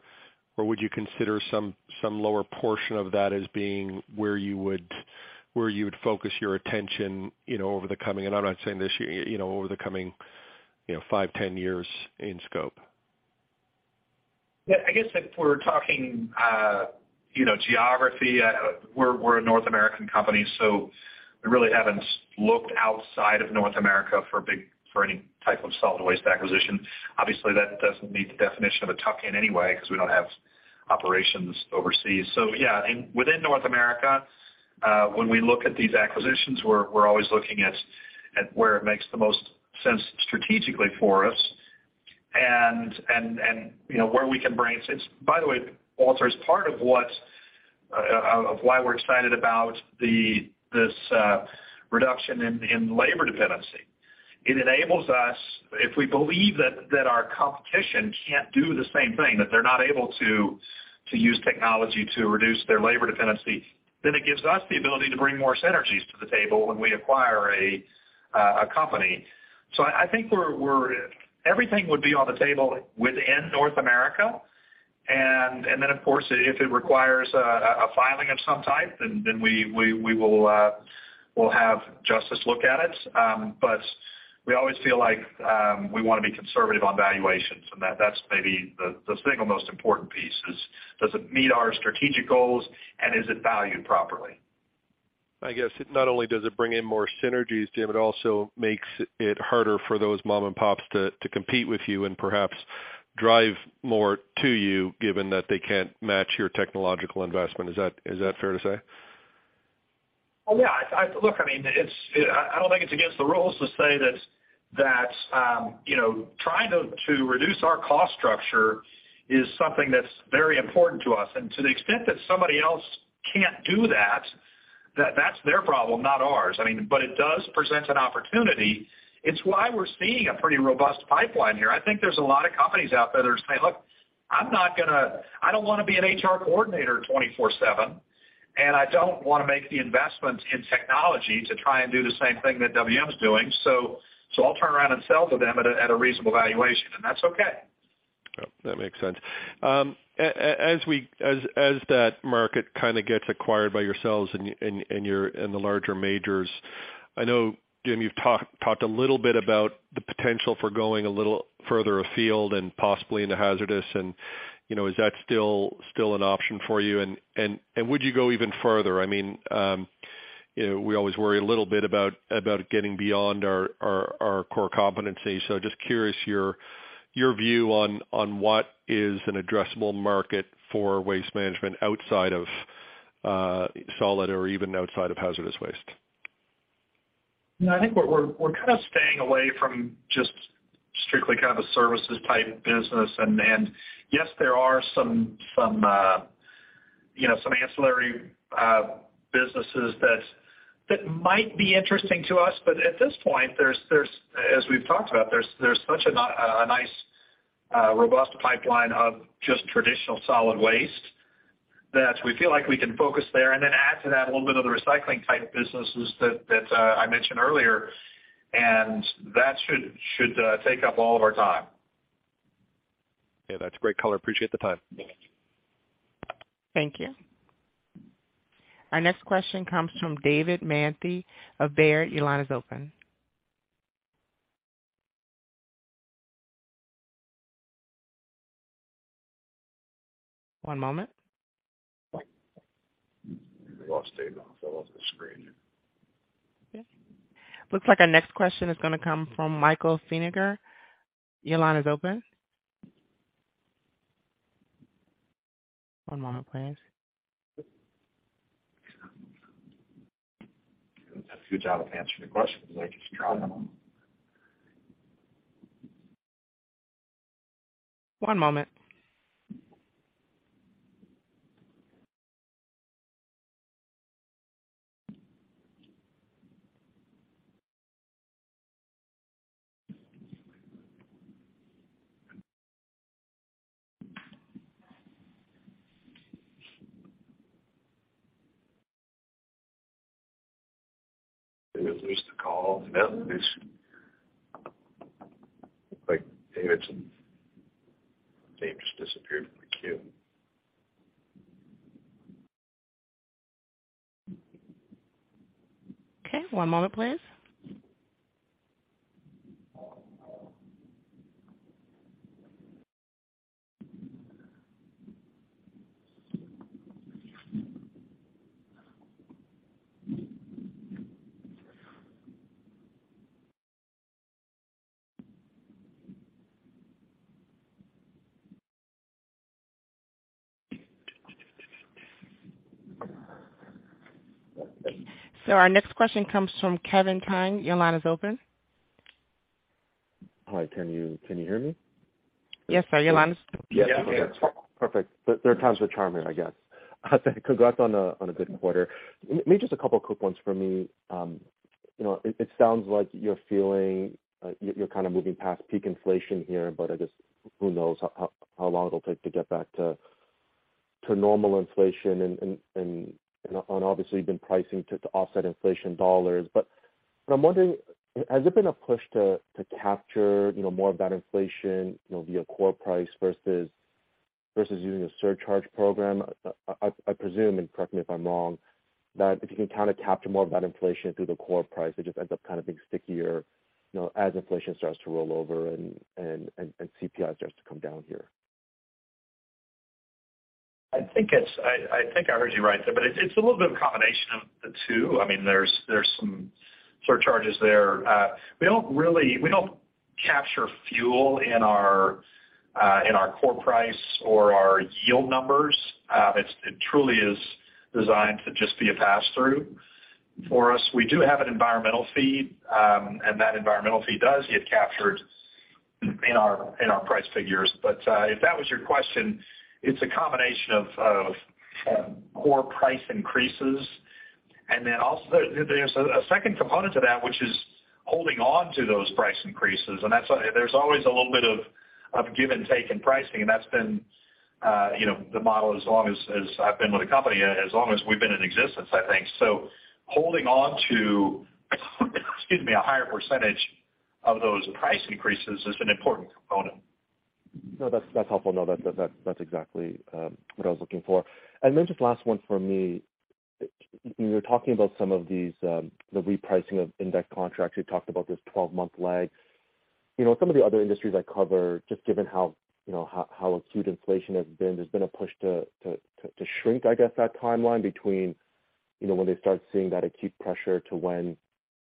would you consider some lower portion of that as being where you would focus your attention, you know, over the coming. I'm not saying this year, you know, over the coming, you know, 5-10 years in scope. Yeah, I guess if we're talking you know geography we're a North American company so we really haven't looked outside of North America for any type of solid waste acquisition. Obviously that doesn't meet the definition of a tuck-in anyway because we don't have operations overseas. Yeah within North America when we look at these acquisitions we're always looking at where it makes the most sense strategically for us and you know where we can bring. By the way, Walter, as part of why we're excited about this reduction in labor dependency, it enables us, if we believe that our competition can't do the same thing, that they're not able to use technology to reduce their labor dependency, then it gives us the ability to bring more synergies to the table when we acquire a company. Everything would be on the table within North America. Then, of course, if it requires a filing of some type, then we'll have the Department of Justice look at it. We always feel like we wanna be conservative on valuations, and that's maybe the single most important piece is, does it meet our strategic goals and is it valued properly? I guess not only does it bring in more synergies, Jim, it also makes it harder for those mom and pops to compete with you and perhaps drive more to you given that they can't match your technological investment. Is that fair to say? Look, I mean, I don't think it's against the rules to say that you know, trying to reduce our cost structure is something that's very important to us. To the extent that somebody else can't do that's their problem, not ours. I mean, it does present an opportunity. It's why we're seeing a pretty robust pipeline here. I think there's a lot of companies out there that are saying, "Look, I don't wanna be an HR coordinator 24/7." I don't wanna make the investment in technology to try and do the same thing that WM's doing. I'll turn around and sell to them at a reasonable valuation, and that's okay. Yep, that makes sense. As that market kinda gets acquired by yourselves and the larger majors, I know, Jim, you've talked a little bit about the potential for going a little further afield and possibly into hazardous and, you know, is that still an option for you? Would you go even further? I mean, you know, we always worry a little bit about getting beyond our core competency. Just curious your view on what is an addressable market for Waste Management outside of solid or even outside of hazardous waste. No, I think we're kinda staying away from just strictly kind of a services type business. Yes, there are some you know some ancillary businesses that might be interesting to us, but at this point, as we've talked about, there's such a nice robust pipeline of just traditional solid waste that we feel like we can focus there and then add to that a little bit of the recycling type businesses that I mentioned earlier, and that should take up all of our time. Yeah, that's a great color. Appreciate the time. Thank you. Our next question comes from David Manthey of Baird. Your line is open. One moment. We lost David. Fell off the screen. Okay. Looks like our next question is gonna come from Michael Feniger. Your line is open. One moment, please. Doing such a good job of answering the questions. One moment. Did we lose the call? No. Looks like David's name just disappeared from the queue. Okay. One moment please. Sir, our next question comes from Kevin Chiang. Your line is open. Hi. Can you hear me? Yes, sir. Your line is open. Yes. Perfect. Third time's the charmer, I guess. Congrats on a good quarter. Maybe just a couple of quick ones from me. You know, it sounds like you're feeling, you're kinda moving past peak inflation here, but I guess who knows how long it'll take to get back to normal inflation and obviously you've been pricing to offset inflation dollars. What I'm wondering, has it been a push to capture, you know, more of that inflation, you know, via core price versus using a surcharge program? I presume, and correct me if I'm wrong, that if you can kinda capture more of that inflation through the core price, it just ends up kind of being stickier, you know, as inflation starts to roll over and CPI starts to come down here. I think I heard you right there, but it's a little bit of a combination of the two. I mean, there's some surcharges there. We don't capture fuel in our core price or our yield numbers. It truly is designed to just be a pass-through for us. We do have an environmental fee, and that environmental fee does get captured in our price figures. If that was your question, it's a combination of core price increases and then also there's a second component to that which is holding on to those price increases. That's There's always a little bit of give and take in pricing, and that's been, you know, the model as long as I've been with the company, as long as we've been in existence, I think. Holding on to, excuse me, a higher percentage of those price increases is an important component. No, that's helpful. That's exactly what I was looking for. Just last one for me. You were talking about some of these, the repricing of index contracts. You talked about this 12-month lag. You know, some of the other industries I cover, just given how, you know, how acute inflation has been, there's been a push to shrink, I guess, that timeline between, you know, when they start seeing that acute pressure to when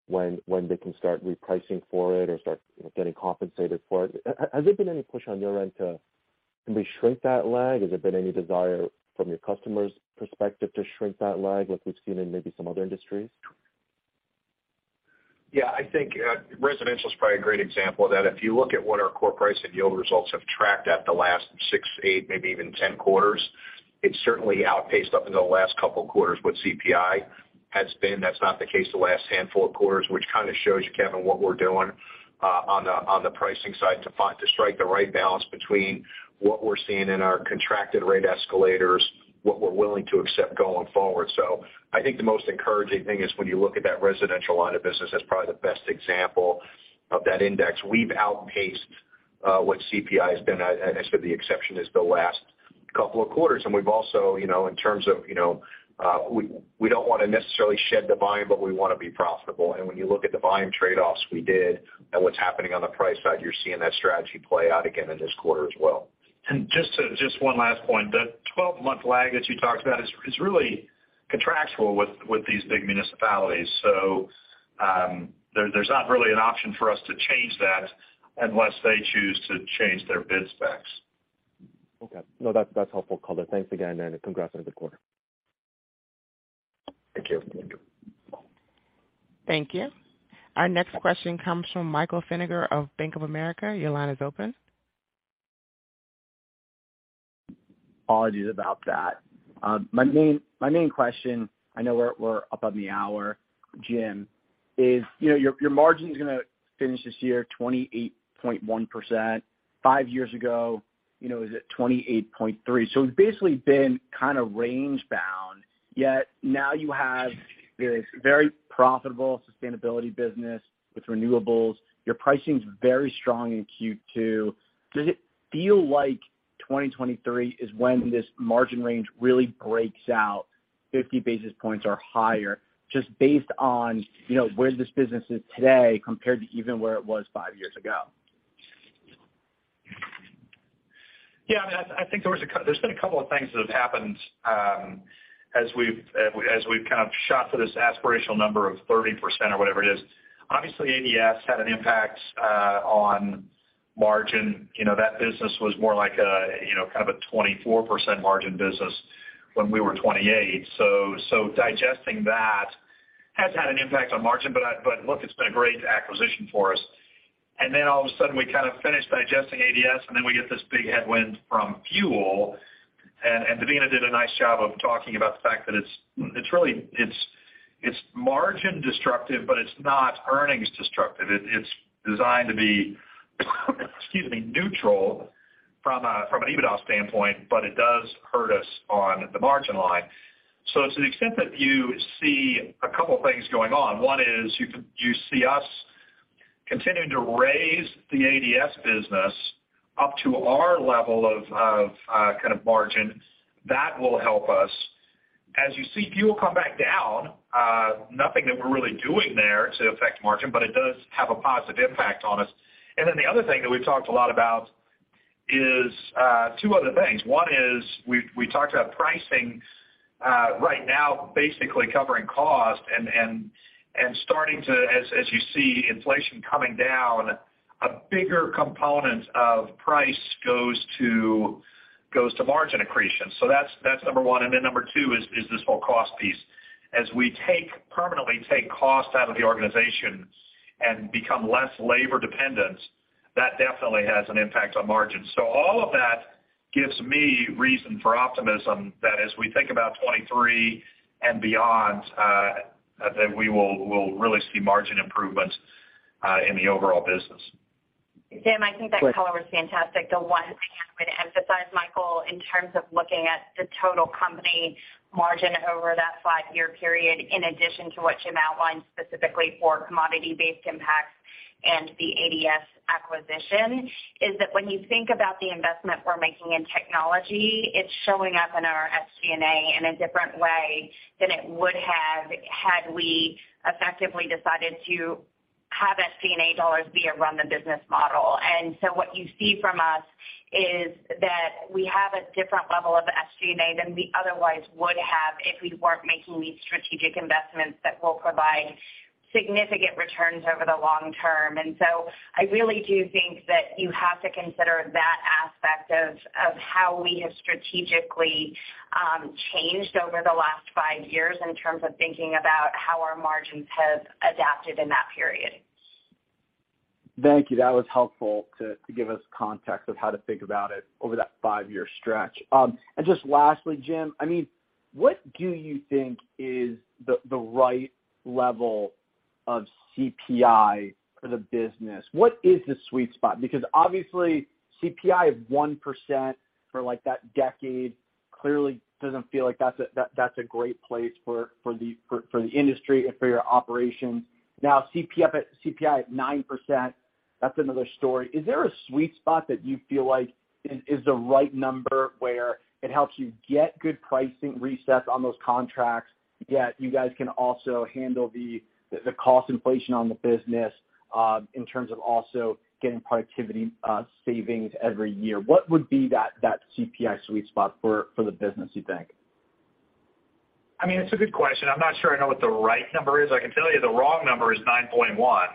they can start repricing for it or start, you know, getting compensated for it. Has there been any push on your end to maybe shrink that lag? Has there been any desire from your customers' perspective to shrink that lag like we've seen in maybe some other industries? Yeah. I think residential is probably a great example of that. If you look at what our core price and yield results have tracked at the last 6, 8, maybe even 10 quarters, it certainly outpaced CPI up until the last couple quarters. That's not the case the last handful of quarters, which kind of shows you, Kevin, what we're doing on the pricing side to strike the right balance between what we're seeing in our contracted rate escalators, what we're willing to accept going forward. I think the most encouraging thing is when you look at that residential line of business, that's probably the best example of that index. We've outpaced what CPI has been at, and the exception is the last couple of quarters. We've also, you know, in terms of, you know, we don't wanna necessarily shed the volume, but we wanna be profitable. When you look at the volume trade-offs we did and what's happening on the price side, you're seeing that strategy play out again in this quarter as well. Just one last point. The 12-month lag that you talked about is really contractual with these big municipalities. There's not really an option for us to change that unless they choose to change their bid specs. Okay. No, that's helpful, color. Thanks again, and congrats on a good quarter. Thank you. Thank you. Our next question comes from Michael Feniger of Bank of America. Your line is open. Apologies about that. My main question, I know we're up on the hour, Jim, is you know, your margin's gonna finish this year 28.1%. Five years ago, you know, it was at 28.3%. It's basically been kind of range bound, yet now you have this very profitable sustainability business with renewables. Your pricing's very strong in Q2. Does it feel like 2023 is when this margin range really breaks out 50 basis points or higher just based on, you know, where this business is today compared to even where it was five years ago? Yeah, I mean, I think there's been a couple of things that have happened, as we've kind of shot for this aspirational number of 30% or whatever it is. Obviously, ADSW had an impact on margin. You know, that business was more like a you know kind of a 24% margin business when we were 28%. So digesting that has had an impact on margin, but look, it's been a great acquisition for us. All of a sudden, we kind of finished digesting ADSW, and then we get this big headwind from fuel. Devina did a nice job of talking about the fact that it's really margin destructive, but it's not earnings destructive. It's designed to be, excuse me, neutral from an EBITDA standpoint, but it does hurt us on the margin line. To the extent that you see a couple things going on, one is you see us continuing to raise the ADSW business up to our level of kind of margin. That will help us. As you see fuel come back down, nothing that we're really doing there to affect margin, but it does have a positive impact on us. Then the other thing that we've talked a lot about is two other things. One is we talked about pricing, right now basically covering cost and starting to as you see inflation coming down, a bigger component of price goes to margin accretion. That's number one. Number 2 is this whole cost piece. As we permanently take cost out of the organization and become less labor dependent, that definitely has an impact on margin. All of that gives me reason for optimism that as we think about 2023 and beyond, that we'll really see margin improvements in the overall business. Jim, I think that color is fantastic. The one thing I'm going to emphasize, Michael, in terms of looking at the total company margin over that five-year period, in addition to what Jim outlined specifically for commodity-based impacts and the ADSW acquisition, is that when you think about the investment we're making in technology, it's showing up in our SG&A in a different way than it would have had we effectively decided to have SG&A dollars be a run the business model. What you see from us is that we have a different level of SG&A than we otherwise would have if we weren't making these strategic investments that will provide significant returns over the long-term. I really do think that you have to consider that aspect of how we have strategically changed over the last five years in terms of thinking about how our margins have adapted in that period. Thank you. That was helpful to give us context of how to think about it over that five-year stretch. Just lastly, Jim, I mean, what do you think is the right level of CPI for the business? What is the sweet spot? Because obviously, CPI of 1% for, like, that decade clearly doesn't feel like that's a great place for the industry and for your operations. Now, CPI at 9%, that's another story. Is there a sweet spot that you feel like is the right number where it helps you get good pricing resets on those contracts, yet you guys can also handle the cost inflation on the business, in terms of also getting productivity savings every year? What would be that CPI sweet spot for the business, you think? I mean, it's a good question. I'm not sure I know what the right number is. I can tell you the wrong number is 9.1.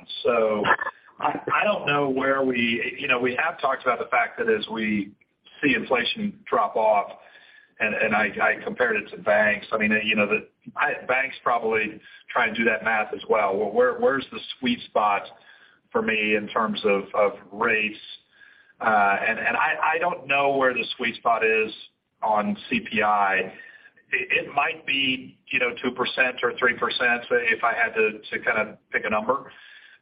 I don't know. You know, we have talked about the fact that as we see inflation drop off, and I compared it to banks. I mean, you know, the banks probably try and do that math as well. Where's the sweet spot for me in terms of rates, and I don't know where the sweet spot is on CPI. It might be, you know, 2% or 3% if I had to kind of pick a number.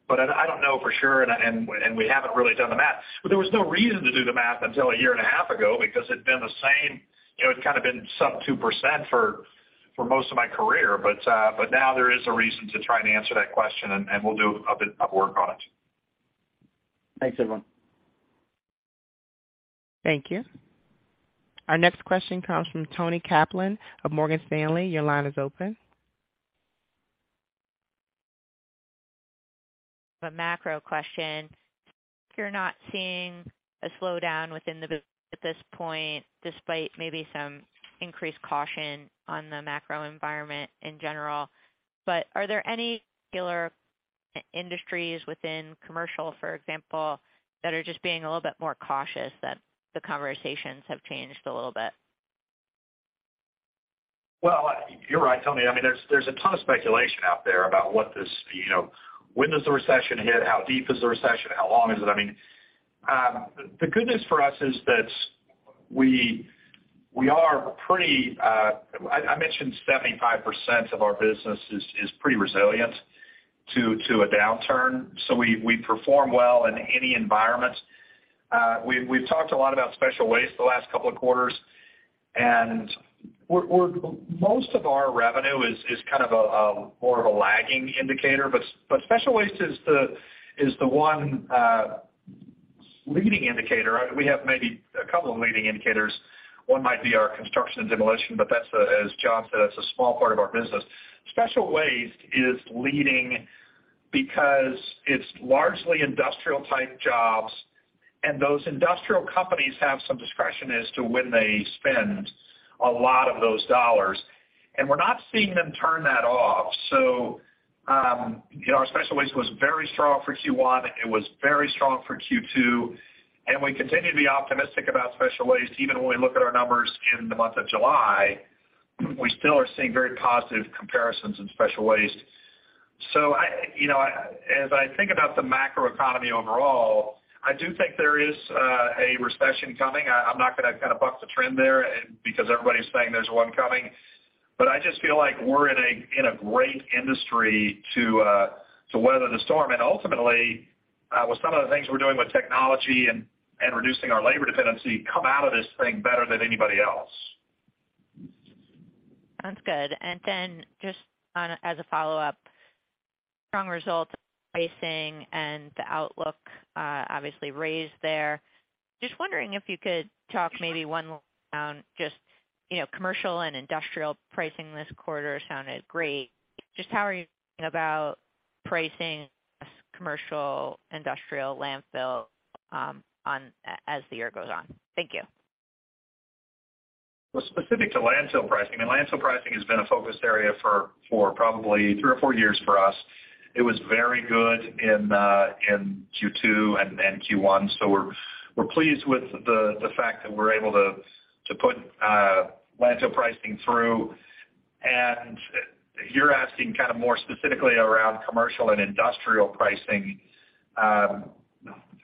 But I don't know for sure, and we haven't really done the math. There was no reason to do the math until a year and a half ago because it'd been the same, you know, it's kind of been sub 2% for most of my career. Now there is a reason to try and answer that question, and we'll do a bit of work on it. Thanks, everyone. Thank you. Our next question comes from Toni Kaplan of Morgan Stanley. Your line is open. A macro question. You're not seeing a slowdown within the business at this point, despite maybe some increased caution on the macro environment in general. Are there any particular industries within commercial, for example, that are just being a little bit more cautious that the conversations have changed a little bit? Well, you're right, Toni. I mean, there's a ton of speculation out there about what this, you know, when does the recession hit? How deep is the recession? How long is it? I mean, the good news for us is that we are pretty. I mentioned 75% of our business is pretty resilient to a downturn, so we perform well in any environment. We've talked a lot about special waste the last couple of quarters, and most of our revenue is kind of a more of a lagging indicator, but special waste is the one leading indicator. We have maybe a couple of leading indicators. One might be our construction and demolition, but that's, as John said, a small part of our business. Special waste is leading because it's largely industrial-type jobs, and those industrial companies have some discretion as to when they spend a lot of those dollars. We're not seeing them turn that off. You know, our special waste was very strong for Q1. It was very strong for Q2. We continue to be optimistic about special waste. Even when we look at our numbers in the month of July, we still are seeing very positive comparisons in special waste. You know, as I think about the macro economy overall, I do think there is a recession coming. I'm not gonna kind of buck the trend there and because everybody's saying there's one coming. I just feel like we're in a great industry to weather the storm. Ultimately, with some of the things we're doing with technology and reducing our labor dependency, come out of this thing better than anybody else. Sounds good. Then just one, as a follow-up, strong results, pricing and the outlook, obviously raised there. Just wondering if you could talk maybe one more time, just, you know, commercial and industrial pricing this quarter sounded great. Just how are you feeling about pricing as commercial, industrial landfill, as the year goes on? Thank you. Well, specific to landfill pricing, I mean, landfill pricing has been a focus area for probably three or four years for us. It was very good in Q2 and Q1. We're pleased with the fact that we're able to put landfill pricing through. You're asking kind of more specifically around commercial and industrial pricing.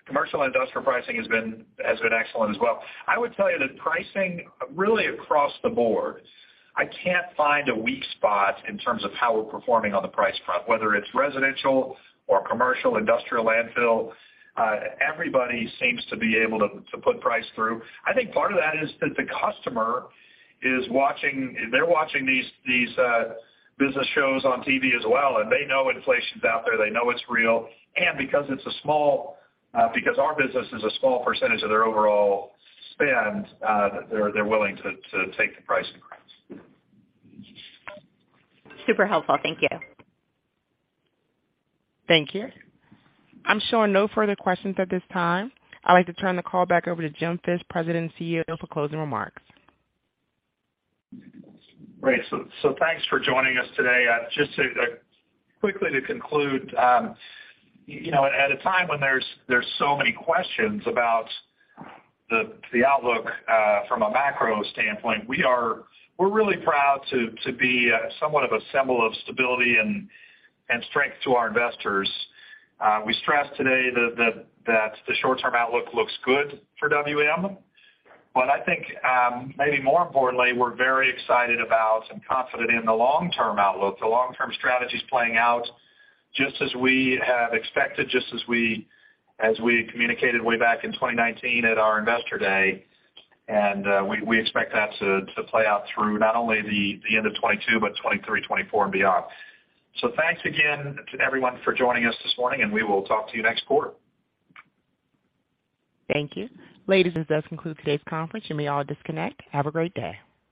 Commercial and industrial pricing has been excellent as well. I would tell you that pricing really across the board, I can't find a weak spot in terms of how we're performing on the price front, whether it's residential or commercial, industrial, landfill. Everybody seems to be able to put price through. I think part of that is that the customer is watching. They're watching these business shows on TV as well, and they know inflation's out there. They know it's real. Because our business is a small percentage of their overall spend, they're willing to take the price increase. Super helpful. Thank you. Thank you. I'm showing no further questions at this time. I'd like to turn the call back over to Jim Fish, President and CEO, for closing remarks. Great. Thanks for joining us today. Just quickly to conclude, you know, at a time when there's so many questions about the outlook from a macro standpoint, we're really proud to be somewhat of a symbol of stability and strength to our investors. We stressed today that the short-term outlook looks good for WM. But I think maybe more importantly, we're very excited about and confident in the long-term outlook. The long-term strategy is playing out just as we have expected, just as we communicated way back in 2019 at our Investor Day. We expect that to play out through not only the end of 2022 but 2023, 2024 and beyond. Thanks again to everyone for joining us this morning, and we will talk to you next quarter. Thank you. Ladies and gents, this concludes today's conference. You may all disconnect. Have a great day.